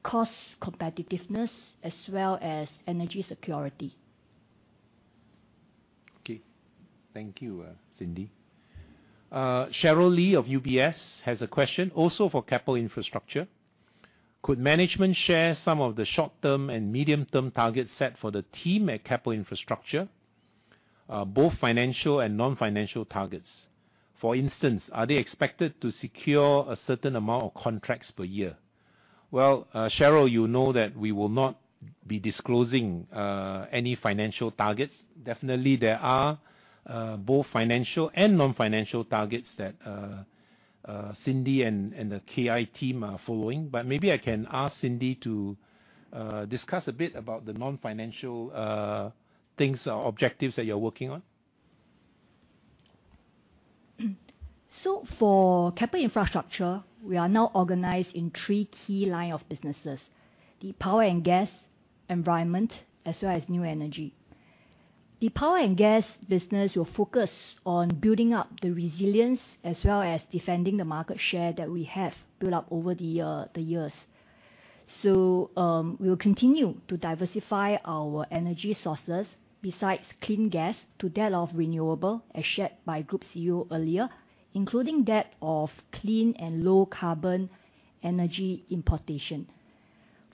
Speaker 4: cost competitiveness, as well as energy security.
Speaker 1: Okay. Thank you, Cindy. Cheryl Lee of UBS has a question also for Keppel Infrastructure. "Could management share some of the short-term and medium-term targets set for the team at Keppel Infrastructure, both financial and non-financial targets? For instance, are they expected to secure a certain amount of contracts per year?" Well, Cheryl, you know that we will not be disclosing any financial targets. Definitely, there are both financial and non-financial targets that Cindy and the KI team are following, but maybe I can ask Cindy to discuss a bit about the non-financial things or objectives that you're working on.
Speaker 4: For Keppel Infrastructure, we are now organized in three key line of businesses, the Power & Gas, Environment, as well as New Energy. The Power & Gas business will focus on building up the resilience, as well as defending the market share that we have built up over the years. We will continue to diversify our energy sources besides clean gas to that of renewable, as shared by Group CEO earlier, including that of clean and low carbon energy importation.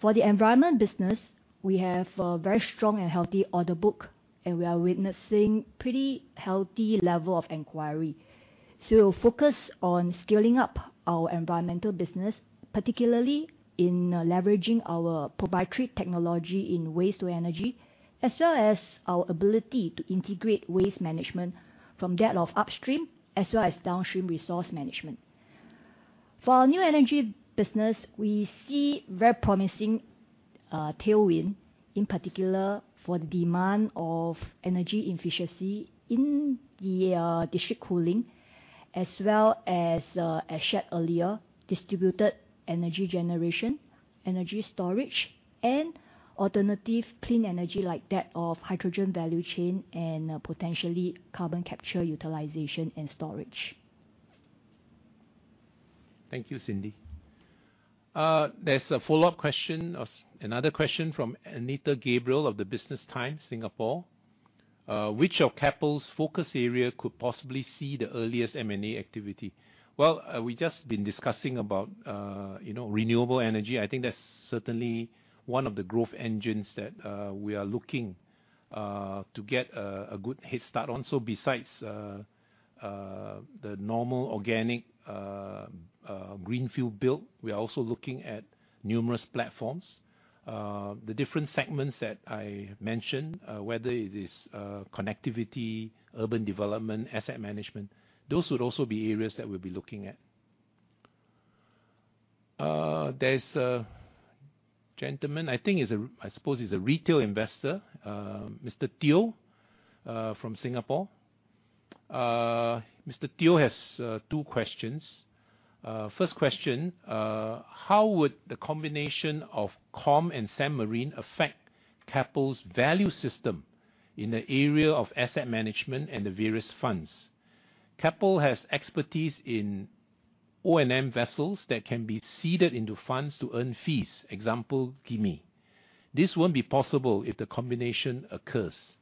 Speaker 4: For the Environment business, we have a very strong and healthy order book, and we are witnessing pretty healthy level of inquiry. Focus on scaling up our environmental business, particularly in leveraging our proprietary technology in waste to energy, as well as our ability to integrate waste management from that of upstream as well as downstream resource management. For our new energy business, we see very promising tailwind, in particular for the demand of energy efficiency in the district cooling as well as shared earlier, distributed energy generation, energy storage, and alternative clean energy like that of hydrogen value chain and potentially carbon capture utilization and storage.
Speaker 1: Thank you, Cindy. There's a follow-up question, or another question from Anita Gabriel of The Business Times. "Which of Keppel's focus areas could possibly see the earliest M&A activity?" We just been discussing about renewable energy. I think that's certainly one of the growth engines that we are looking to get a good headstart on. Besides the normal organic greenfield build, we are also looking at numerous platforms. The different segments that I mentioned, whether it is connectivity, urban development, asset management, those would also be areas that we'll be looking at. There's a gentleman, I suppose he's a retail investor, Mr. Teo from Singapore. Mr. Teo has two questions. First question. How would the combination of Keppel O&M and Sembcorp Marine affect Keppel's value system in the area of asset management and the various funds? Keppel has expertise in O&M vessels that can be seeded into funds to earn fees, example, Gimi. This won't be possible if the combination occurs.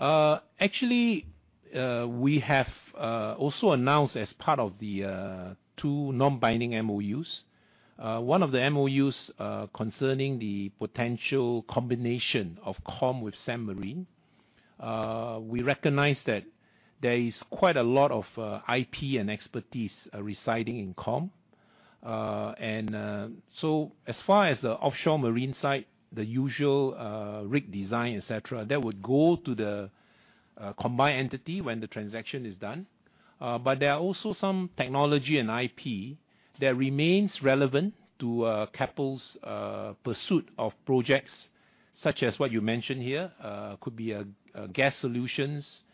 Speaker 1: Actually, we have also announced as part of the two non-binding MOUs, one of the MOUs concerning the potential combination of COM with Sembcorp Marine. We recognize that there is quite a lot of IP and expertise residing in COM. As far as the offshore marine side, the usual rig design, et cetera, that would go to the combined entity when the transaction is done. There are also some technology and IP that remains relevant to Keppel's pursuit of projects, such as what you mentioned here. Could be gas solutions,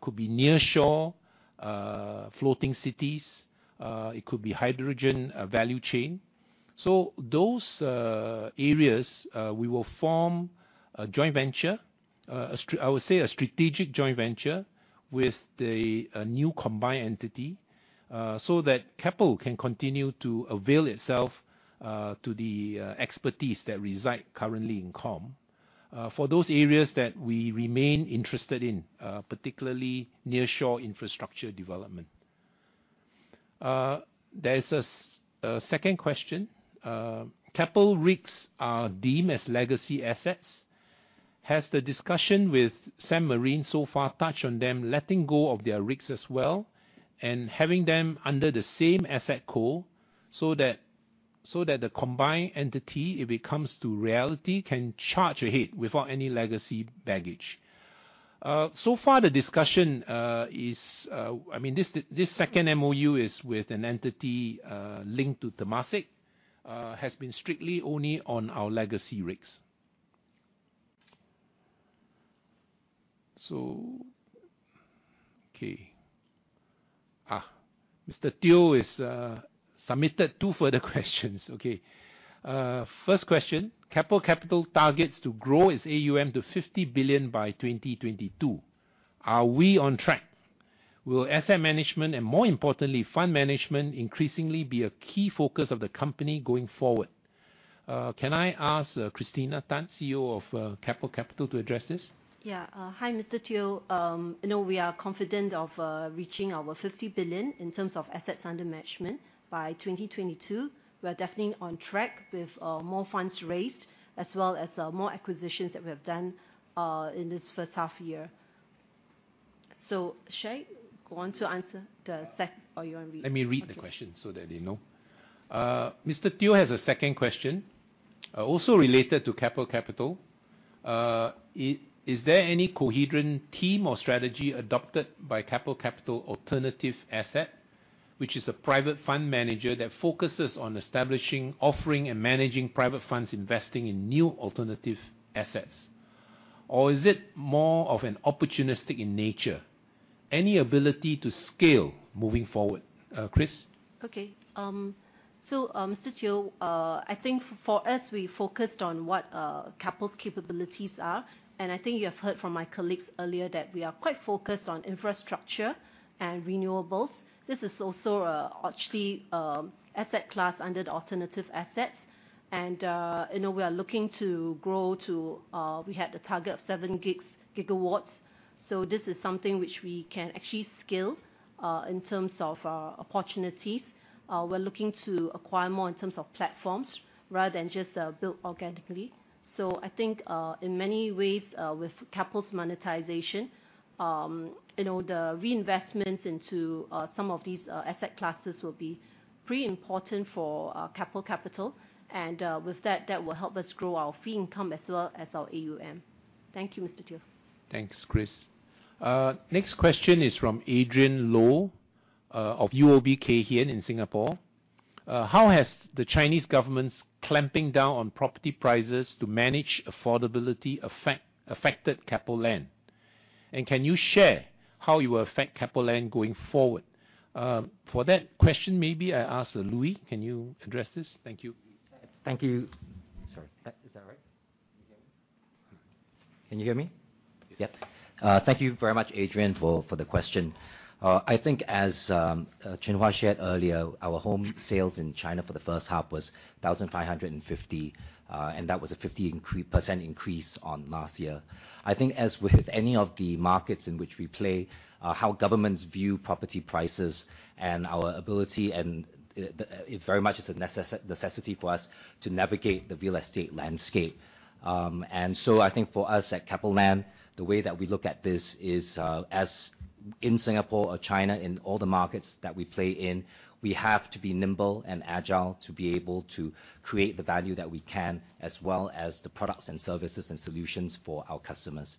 Speaker 1: could be near shore, floating cities, it could be hydrogen value chain. Those areas, we will form a joint venture, I would say a strategic joint venture with the new combined entity, so that Keppel can continue to avail itself to the expertise that reside currently in COM for those areas that we remain interested in, particularly near shore infrastructure development. There is a second question. "Keppel's rigs are deemed as legacy assets. Has the discussion with Sembcorp Marine so far touched on them letting go of their rigs as well and having them under the same Asset Co, so that the combined entity, if it comes to reality, can charge ahead without any legacy baggage?" So far the discussion is, this second MoU is with an entity linked to Temasek, has been strictly only on our legacy rigs. Okay. Mr. Teo has submitted two further questions. Okay. First question, "Keppel Capital targets to grow its AUM to 50 billion by 2022. Are we on track? Will asset management and more importantly fund management increasingly be a key focus of the company going forward?" Can I ask Christina Tan, CEO of Keppel Capital to address this?
Speaker 5: Yeah. Hi, Mr. Teo. No, we are confident of reaching our 50 billion in terms of assets under management by 2022. We are definitely on track with more funds raised as well as more acquisitions that we have done in this first half year. Should I go on to answer the second or you want me-
Speaker 1: Let me read the question so that they know. Mr. Teo has a second question also related to Keppel Capital. "Is there any coherent team or strategy adopted by Keppel Capital Alternative Asset, which is a private fund manager that focuses on establishing, offering, and managing private funds investing in new alternative assets? Or is it more of an opportunistic in nature? Any ability to scale moving forward?" Chris?
Speaker 5: Mr. Teo, I think for us, we focused on what Keppel's capabilities are, and I think you have heard from my colleagues earlier that we are quite focused on infrastructure and renewables. This is also actually asset class under the alternative assets. We are looking to grow to, we had a target of 7 gigawatts. This is something which we can actually scale, in terms of opportunities. We're looking to acquire more in terms of platforms rather than just build organically. I think, in many ways, with Keppel's monetization, the reinvestments into some of these asset classes will be pretty important for Keppel Capital. With that will help us grow our fee income as well as our AUM. Thank you, Mr. Teo.
Speaker 1: Thanks, Chris. Next question is from Adrian Loh of UOB Kay Hian in Singapore. "How has the Chinese government's clamping down on property prices to manage affordability affected Keppel Land? Can you share how it will affect Keppel Land going forward?" For that question, maybe I ask Louis, can you address this? Thank you.
Speaker 6: Thank you. Sorry. Is that right? Can you hear me? Yep. Thank you very much, Adrian, for the question. I think as Chin Hua shared earlier, our home sales in China for the first half was 1,550, and that was a 50% increase on last year. I think as with any of the markets in which we play, how governments view property prices and our ability, and it very much is a necessity for us to navigate the real estate landscape. I think for us at Keppel Land, the way that we look at this is in Singapore or China, in all the markets that we play in, we have to be nimble and agile to be able to create the value that we can as well as the products and services and solutions for our customers.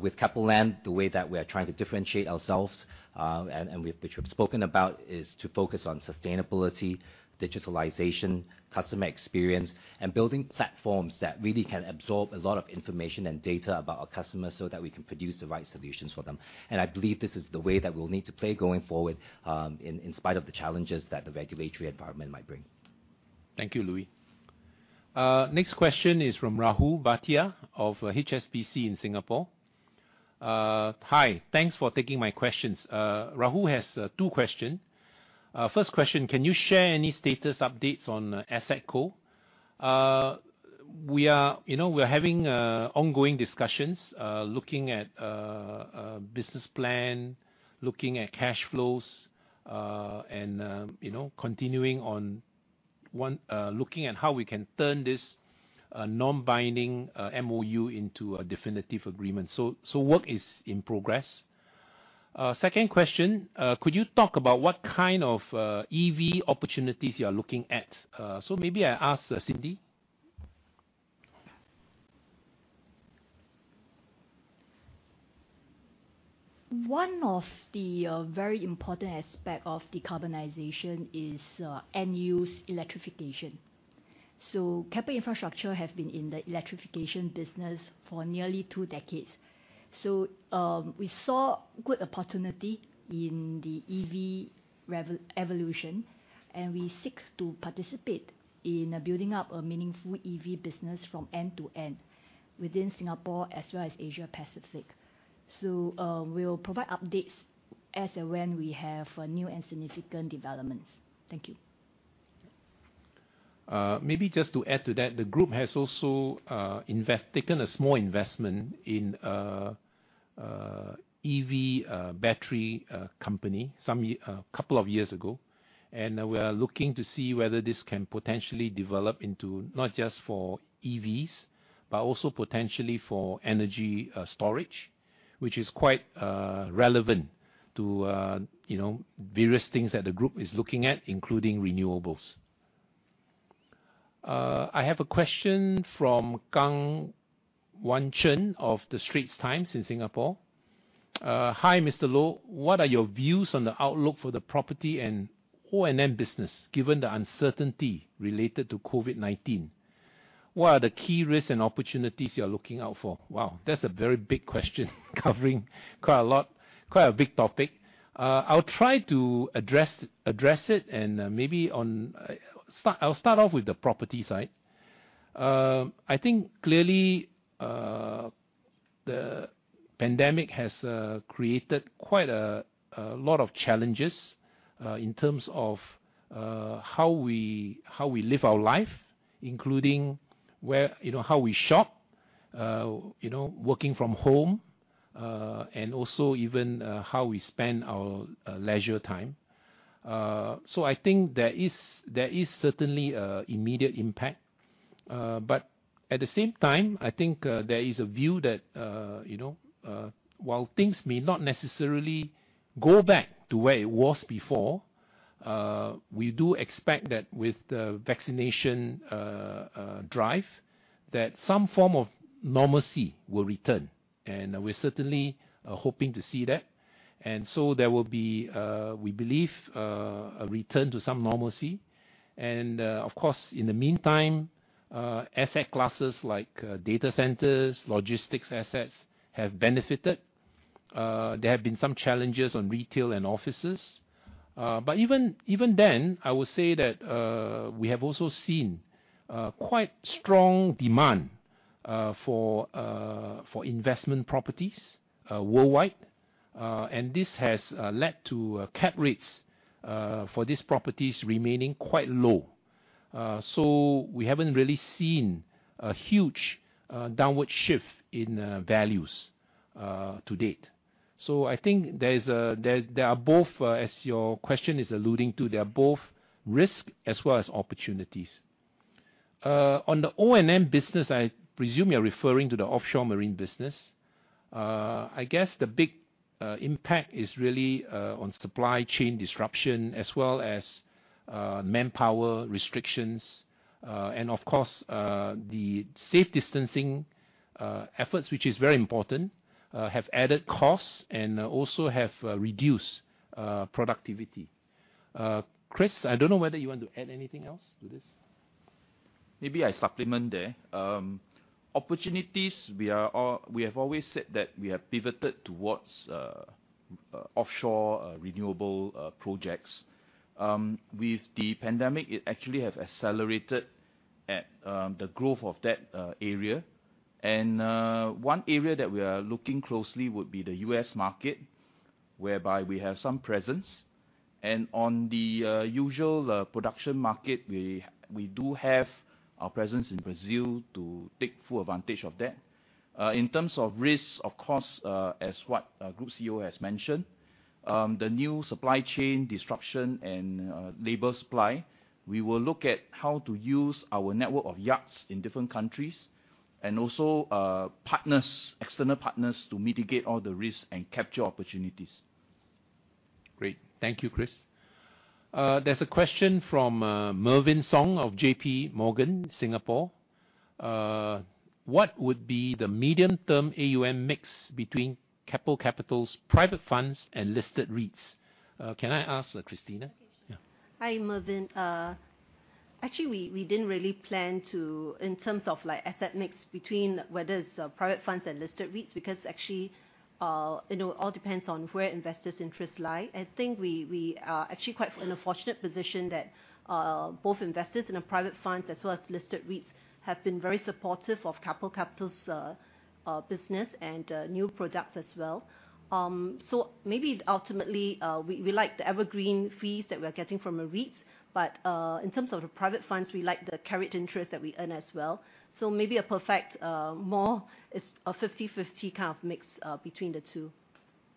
Speaker 6: With Keppel Land, the way that we are trying to differentiate ourselves, which we've spoken about is to focus on sustainability, digitalization, customer experience, and building platforms that really can absorb a lot of information and data about our customers so that we can produce the right solutions for them. I believe this is the way that we'll need to play going forward, in spite of the challenges that the regulatory environment might bring.
Speaker 1: Thank you, Louis. Next question is from Rahul Bhatia of HSBC in Singapore. "Hi, thanks for taking my questions." Rahul has two questions. First question, "can you share any status updates on Asset Co?" We are having ongoing discussions, looking at business plan, looking at cash flows, and continuing on looking at how we can turn this non-binding MOU into a definitive agreement. Work is in progress. Second question, "could you talk about what kind of EV opportunities you are looking at?" Maybe I ask Cindy.
Speaker 4: One of the very important aspect of decarbonization is end-use electrification. Keppel Infrastructure have been in the electrification business for nearly 2 decades. We saw good opportunity in the EV evolution, and we seek to participate in building up a meaningful EV business from end to end within Singapore as well as Asia Pacific. We will provide updates as and when we have new and significant developments. Thank you.
Speaker 1: Maybe just to add to that, the group has also taken a small investment in EV battery company a couple of years ago. We are looking to see whether this can potentially develop into not just for EVs, but also potentially for energy storage, which is quite relevant to various things that the group is looking at, including renewables. I have a question from Kang Wan Chern of The Straits Times in Singapore. "Hi, Mr. Loh. What are your views on the outlook for the property and O&M business, given the uncertainty related to COVID-19? What are the key risks and opportunities you are looking out for?" Wow, that's a very big question covering quite a big topic. I'll try to address it, and maybe I'll start off with the property side. I think clearly, the pandemic has created quite a lot of challenges in terms of how we live our life, including how we shop, working from home, and also even how we spend our leisure time. There is certainly immediate impact. At the same time, I think there is a view that while things may not necessarily go back to where it was before, we do expect that with the vaccination drive, that some form of normalcy will return, and we're certainly hoping to see that. There will be, we believe, a return to some normalcy. Of course, in the meantime, asset classes like data centers, logistics assets, have benefited. There have been some challenges on retail and offices. Even then, I would say that we have also seen quite strong demand for investment properties worldwide. This has led to cap rates for these properties remaining quite low. We haven't really seen a huge downward shift in values to date. I think there are both, as your question is alluding to, there are both risk as well as opportunities. On the O&M business, I presume you're referring to the offshore marine business. I guess the big impact is really on supply chain disruption as well as manpower restrictions. Of course, the safe distancing efforts, which is very important, have added costs and also have reduced productivity. Chris, I don't know whether you want to add anything else to this.
Speaker 3: Maybe I supplement there. Opportunities, we have always said that we have pivoted towards offshore renewable projects. With the pandemic, it actually have accelerated the growth of that area. One area that we are looking closely would be the U.S. market, whereby we have some presence. On the usual production market, we do have our presence in Brazil to take full advantage of that. In terms of risks, of course, as what Group CEO has mentioned, the new supply chain disruption and labor supply, we will look at how to use our network of yards in different countries and also external partners to mitigate all the risks and capture opportunities.
Speaker 1: Great. Thank you, Chris. There's a question from Mervin Song of JPMorgan Singapore. "What would be the medium-term AUM mix between Keppel Capital's private funds and listed REITs?" Can I ask Christina?
Speaker 5: Okay, sure.
Speaker 1: Yeah.
Speaker 5: Hi, Mervin. We didn't really plan to in terms of asset mix between whether it's private funds and listed REITs, because actually, it all depends on where investors' interests lie. I think we are actually quite in a fortunate position that both investors in the private funds as well as listed REITs have been very supportive of Keppel Capital's business and new products as well. Maybe ultimately, we like the evergreen fees that we are getting from the REITs, but in terms of the private funds, we like the carried interest that we earn as well. Maybe a perfect more is a 50/50 kind of mix between the two.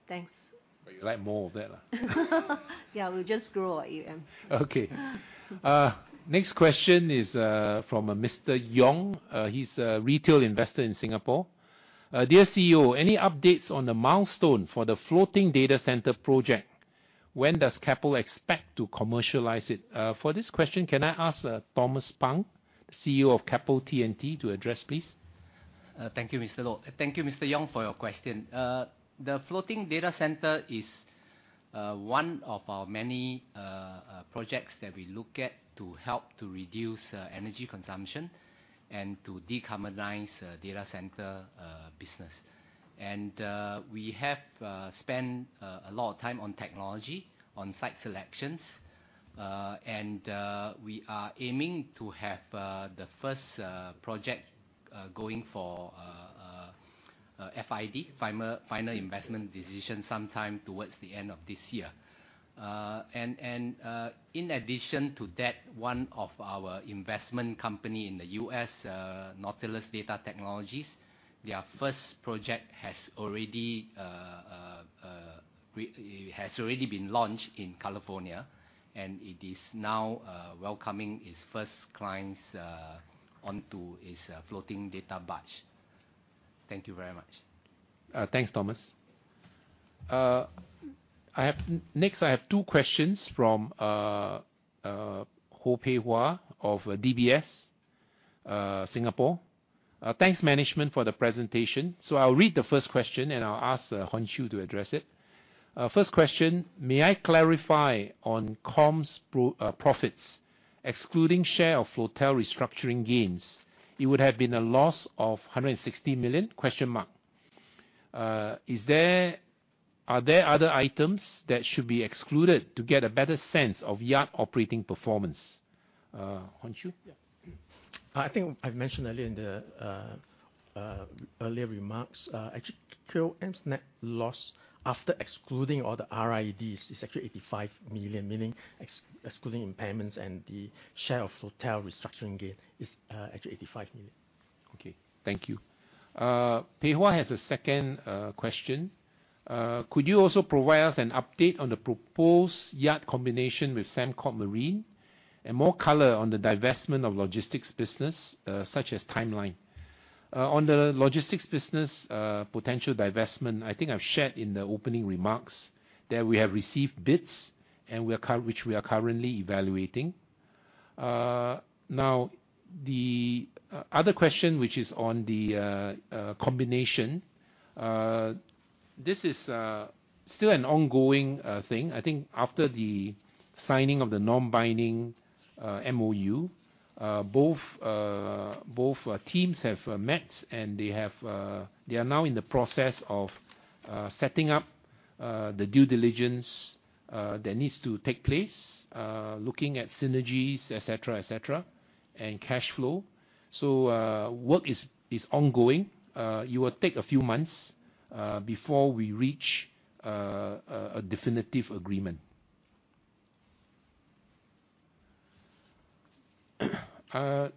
Speaker 5: Thanks.
Speaker 1: You like more of that.
Speaker 5: Yeah, we'll just grow our AUM.
Speaker 1: Okay. Next question is from Mr. Yong. He's a retail investor in Singapore. "Dear CEO, any updates on the milestone for the floating data center project? When does Keppel expect to commercialize it?" For this question, can I ask Thomas Pang, the CEO of Keppel T&T to address, please?
Speaker 7: Thank you, Mr. Loh. Thank you, Mr. Yong, for your question. The floating data center is one of our many projects that we look at to help to reduce energy consumption and to decarbonize data center business. We have spent a lot of time on technology, on site selections, and we are aiming to have the first project going for FID, final investment decision, sometime towards the end of this year. In addition to that, one of our investment company in the U.S., Nautilus Data Technologies, their first project has already been launched in California, and it is now welcoming its first clients onto its floating data barge. Thank you very much.
Speaker 1: Thanks, Thomas. Next, I have two questions from Ho Pei Hwa of DBS. Thanks management for the presentation. I'll read the first question and I'll ask Chan Hon Chew to address it. First question, "May I clarify on Keppel O&M's profits, excluding share of Floatel restructuring gains? It would have been a loss of 160 million? Are there other items that should be excluded to get a better sense of yard operating performance?" Chan Hon Chew?
Speaker 2: Yeah. I think I've mentioned earlier in the earlier remarks, actually COM's net loss after excluding all the RID is actually 85 million, meaning excluding impairments and the share of Floatel restructuring gain is actually 85 million.
Speaker 1: Okay. Thank you. Ho Pei Hwa has a second question. "Could you also provide us an update on the proposed yard combination with Sembcorp Marine and more color on the divestment of logistics business such as timeline?" On the logistics business potential divestment, I think I've shared in the opening remarks that we have received bids which we are currently evaluating. The other question which is on the combination. This is still an ongoing thing. I think after the signing of the non-binding MOU, both teams have met and they are now in the process of setting up the due diligence that needs to take place looking at synergies, et cetera, and cash flow. Work is ongoing. It will take a few months before we reach a definitive agreement. I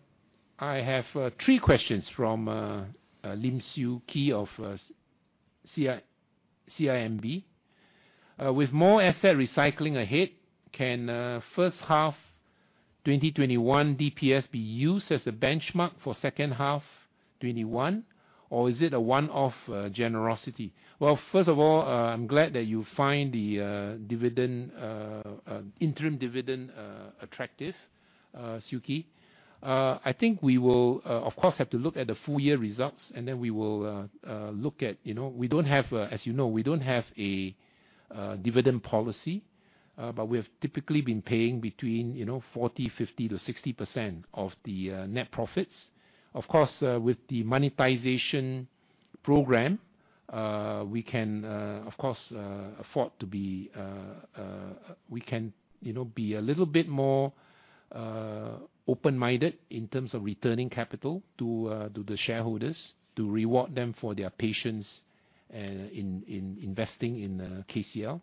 Speaker 1: have three questions from Lim Siew Khee of CIMB. With more asset recycling ahead, can first half 2021 DPS be used as a benchmark for second half 2021? Or is it a one-off generosity? Well, first of all, I'm glad that you find the interim dividend attractive, Lim Siew Khee. I think we will, of course, have to look at the full year results. As you know, we don't have a dividend policy. We have typically been paying between 40%, 50% to 60% of the net profits. Of course, with the monetization program, we can, of course, afford to be a little bit more open-minded in terms of returning capital to the shareholders to reward them for their patience in investing in KCL.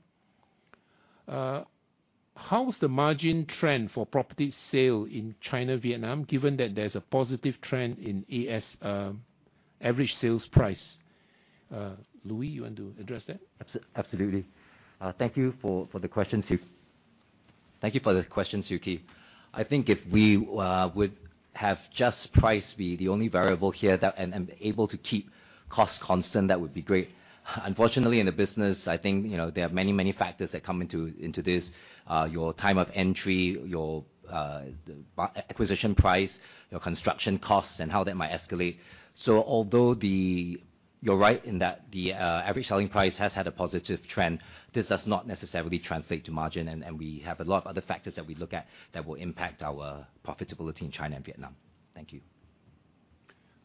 Speaker 1: How is the margin trend for property sale in China, Vietnam given that there's a positive trend in ASP, average sales price? Louis Lim, you want to address that?
Speaker 6: Absolutely. Thank you for the question, Siew Khee. I think if we would have just price be the only variable here and able to keep costs constant, that would be great. Unfortunately, in the business, I think there are many factors that come into this. Your time of entry, your acquisition price, your construction costs and how that might escalate. You're right in that the average selling price has had a positive trend. This does not necessarily translate to margin, and we have a lot of other factors that we look at that will impact our profitability in China and Vietnam. Thank you.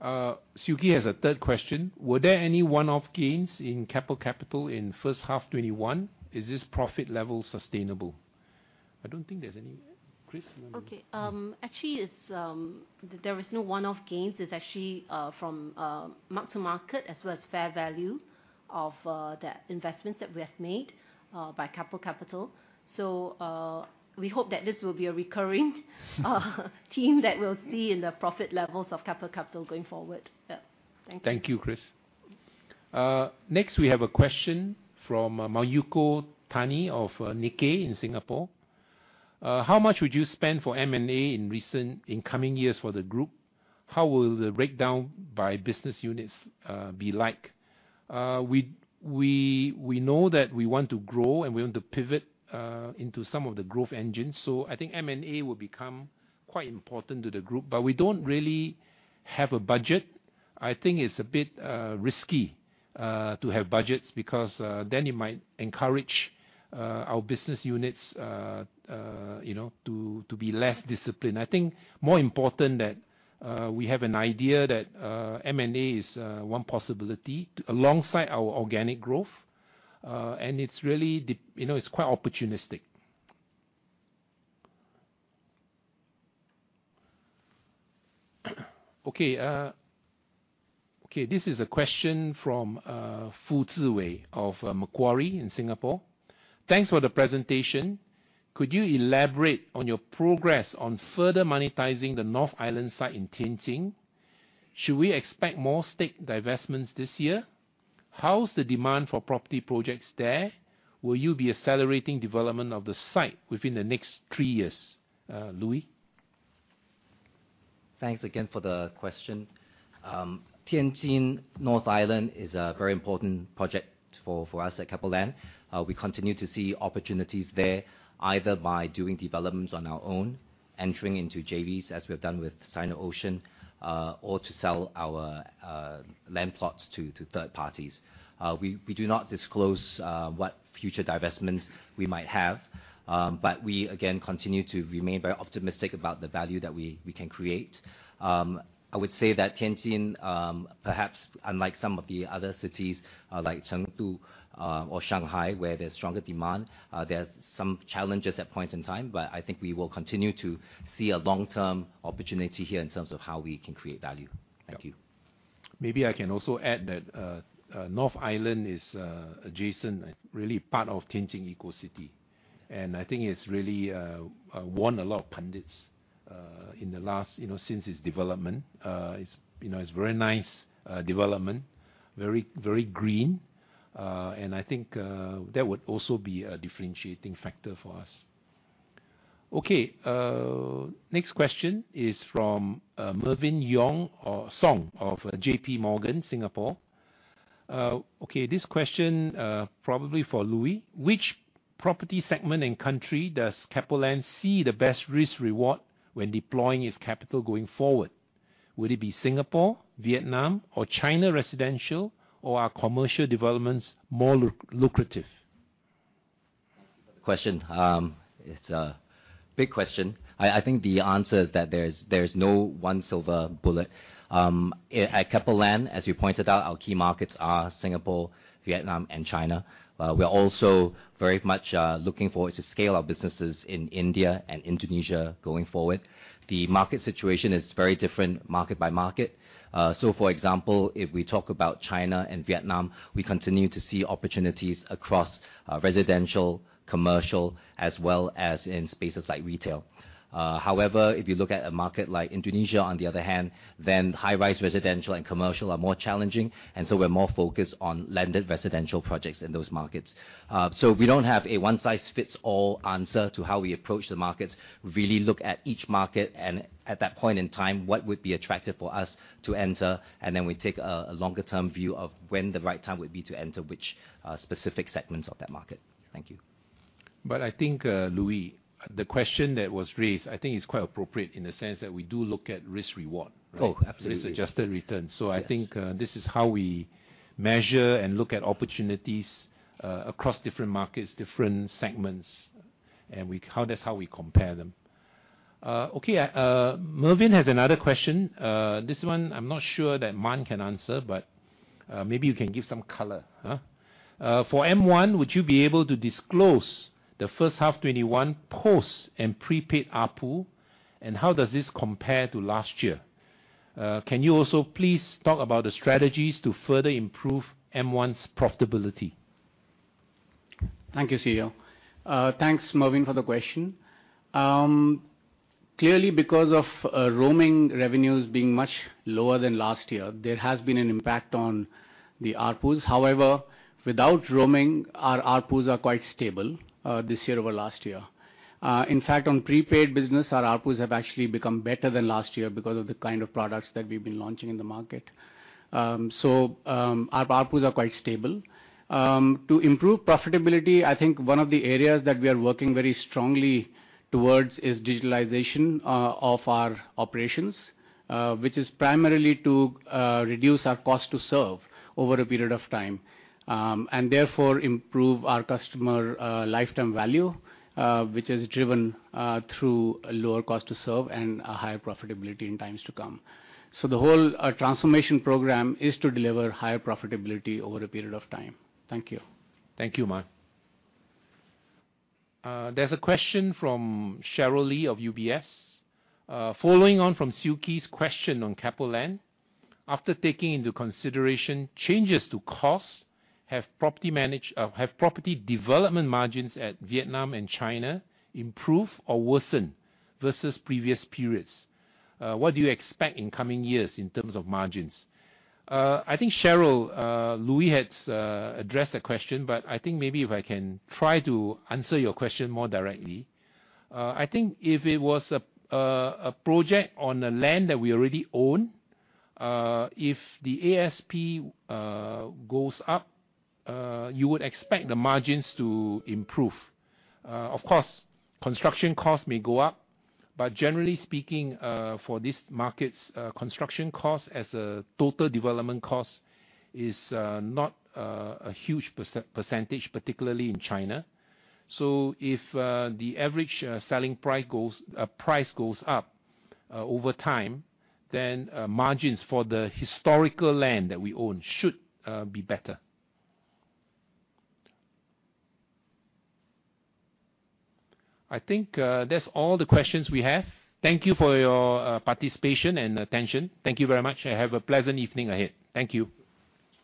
Speaker 1: Lim Siew Khee has a third question. Were there any one-off gains in Keppel Capital in first half 2021? Is this profit level sustainable? I don't think there's any, Chris Ong?
Speaker 5: Okay. Actually, there is no one-off gains. It is actually from mark to market, as well as fair value of the investments that we have made by Keppel Capital. We hope that this will be a recurring theme that we will see in the profit levels of Keppel Capital going forward. Yeah. Thank you.
Speaker 1: Thank you, Chris. Next we have a question from Mayuko Tani of Nikkei in Singapore. How much would you spend for M&A in coming years for the group? How will the breakdown by business units be like? We know that we want to grow and we want to pivot into some of the growth engines, I think M&A will become quite important to the group. We don't really have a budget. I think it's a bit risky to have budgets because then it might encourage our business units to be less disciplined. I think more important that we have an idea that M&A is one possibility alongside our organic growth. It's quite opportunistic. Okay. This is a question from Foo Zhi Wei of Macquarie in Singapore. Thanks for the presentation. Could you elaborate on your progress on further monetizing the North Island site in Tianjin? Should we expect more stake divestments this year? How's the demand for property projects there? Will you be accelerating development of the site within the next three years? Louis?
Speaker 6: Thanks again for the question. Tianjin North Island is a very important project for us at Keppel Land. We continue to see opportunities there, either by doing developments on our own, entering into JVs as we've done with Sino-Ocean, or to sell our land plots to third parties. We do not disclose what future divestments we might have. We, again, continue to remain very optimistic about the value that we can create. I would say that Tianjin, perhaps unlike some of the other cities like Chengdu or Shanghai where there's stronger demand, there's some challenges at points in time. I think we will continue to see a long-term opportunity here in terms of how we can create value. Thank you.
Speaker 1: Maybe I can also add that North Island is adjacent, really part of Tianjin Eco-City, and I think it's really won a lot of pundits in the last, since its development. It's a very nice development, very green. I think that would also be a differentiating factor for us. Okay. Next question is from Mervin Song of JPMorgan, Singapore. Okay, this question, probably for Louis. Which property segment and country does Keppel Land see the best risk-reward when deploying its capital going forward? Would it be Singapore, Vietnam, or China residential, or are commercial developments more lucrative?
Speaker 6: Question. It's a big question. I think the answer is that there's no one silver bullet. At Keppel Land, as you pointed out, our key markets are Singapore, Vietnam, and China. We are also very much looking forward to scale our businesses in India and Indonesia going forward. The market situation is very different market by market. For example, if we talk about China and Vietnam, we continue to see opportunities across residential, commercial, as well as in spaces like retail. However, if you look at a market like Indonesia, on the other hand, then high-rise residential and commercial are more challenging, and so we're more focused on landed residential projects in those markets. We don't have a one-size-fits-all answer to how we approach the markets. We really look at each market and at that point in time, what would be attractive for us to enter, and then we take a longer-term view of when the right time would be to enter which specific segments of that market. Thank you.
Speaker 1: I think, Louis, the question that was raised, I think is quite appropriate in the sense that we do look at risk-reward, right?
Speaker 6: Oh, absolutely.
Speaker 1: Risk-adjusted returns.
Speaker 6: Yes.
Speaker 1: I think this is how we measure and look at opportunities across different markets, different segments. That's how we compare them. Okay. Mervin has another question. This one I'm not sure that Man can answer, but maybe you can give some color. For M1, would you be able to disclose the first half 2021 post and prepaid ARPU, and how does this compare to last year? Can you also please talk about the strategies to further improve M1's profitability?
Speaker 8: Thank you, CEO. Thanks, Mervin, for the question. Clearly because of roaming revenues being much lower than last year, there has been an impact on the ARPUs. However, without roaming, our ARPUs are quite stable this year over last year. In fact, on prepaid business, our ARPUs have actually become better than last year because of the kind of products that we've been launching in the market. Our ARPUs are quite stable. To improve profitability, I think one of the areas that we are working very strongly towards is digitalization of our operations. Which is primarily to reduce our cost to serve over a period of time. Therefore improve our customer lifetime value, which is driven through a lower cost to serve and a higher profitability in times to come. The whole transformation program is to deliver higher profitability over a period of time. Thank you.
Speaker 1: Thank you, Man. There's a question from Cheryl Lee of UBS. Following on from Siew Khee's question on Keppel Land, after taking into consideration changes to costs, have property development margins at Vietnam and China improved or worsened versus previous periods? What do you expect in coming years in terms of margins? I think, Cheryl, Louis had addressed that question, but I think maybe if I can try to answer your question more directly. I think if it was a project on a land that we already own, if the ASP goes up, you would expect the margins to improve. Of course, construction costs may go up. Generally speaking, for these markets, construction costs as a total development cost is not a huge percentage, particularly in China. If the average selling price goes up over time, then margins for the historical land that we own should be better. I think that's all the questions we have. Thank you for your participation and attention. Thank you very much, and have a pleasant evening ahead. Thank you.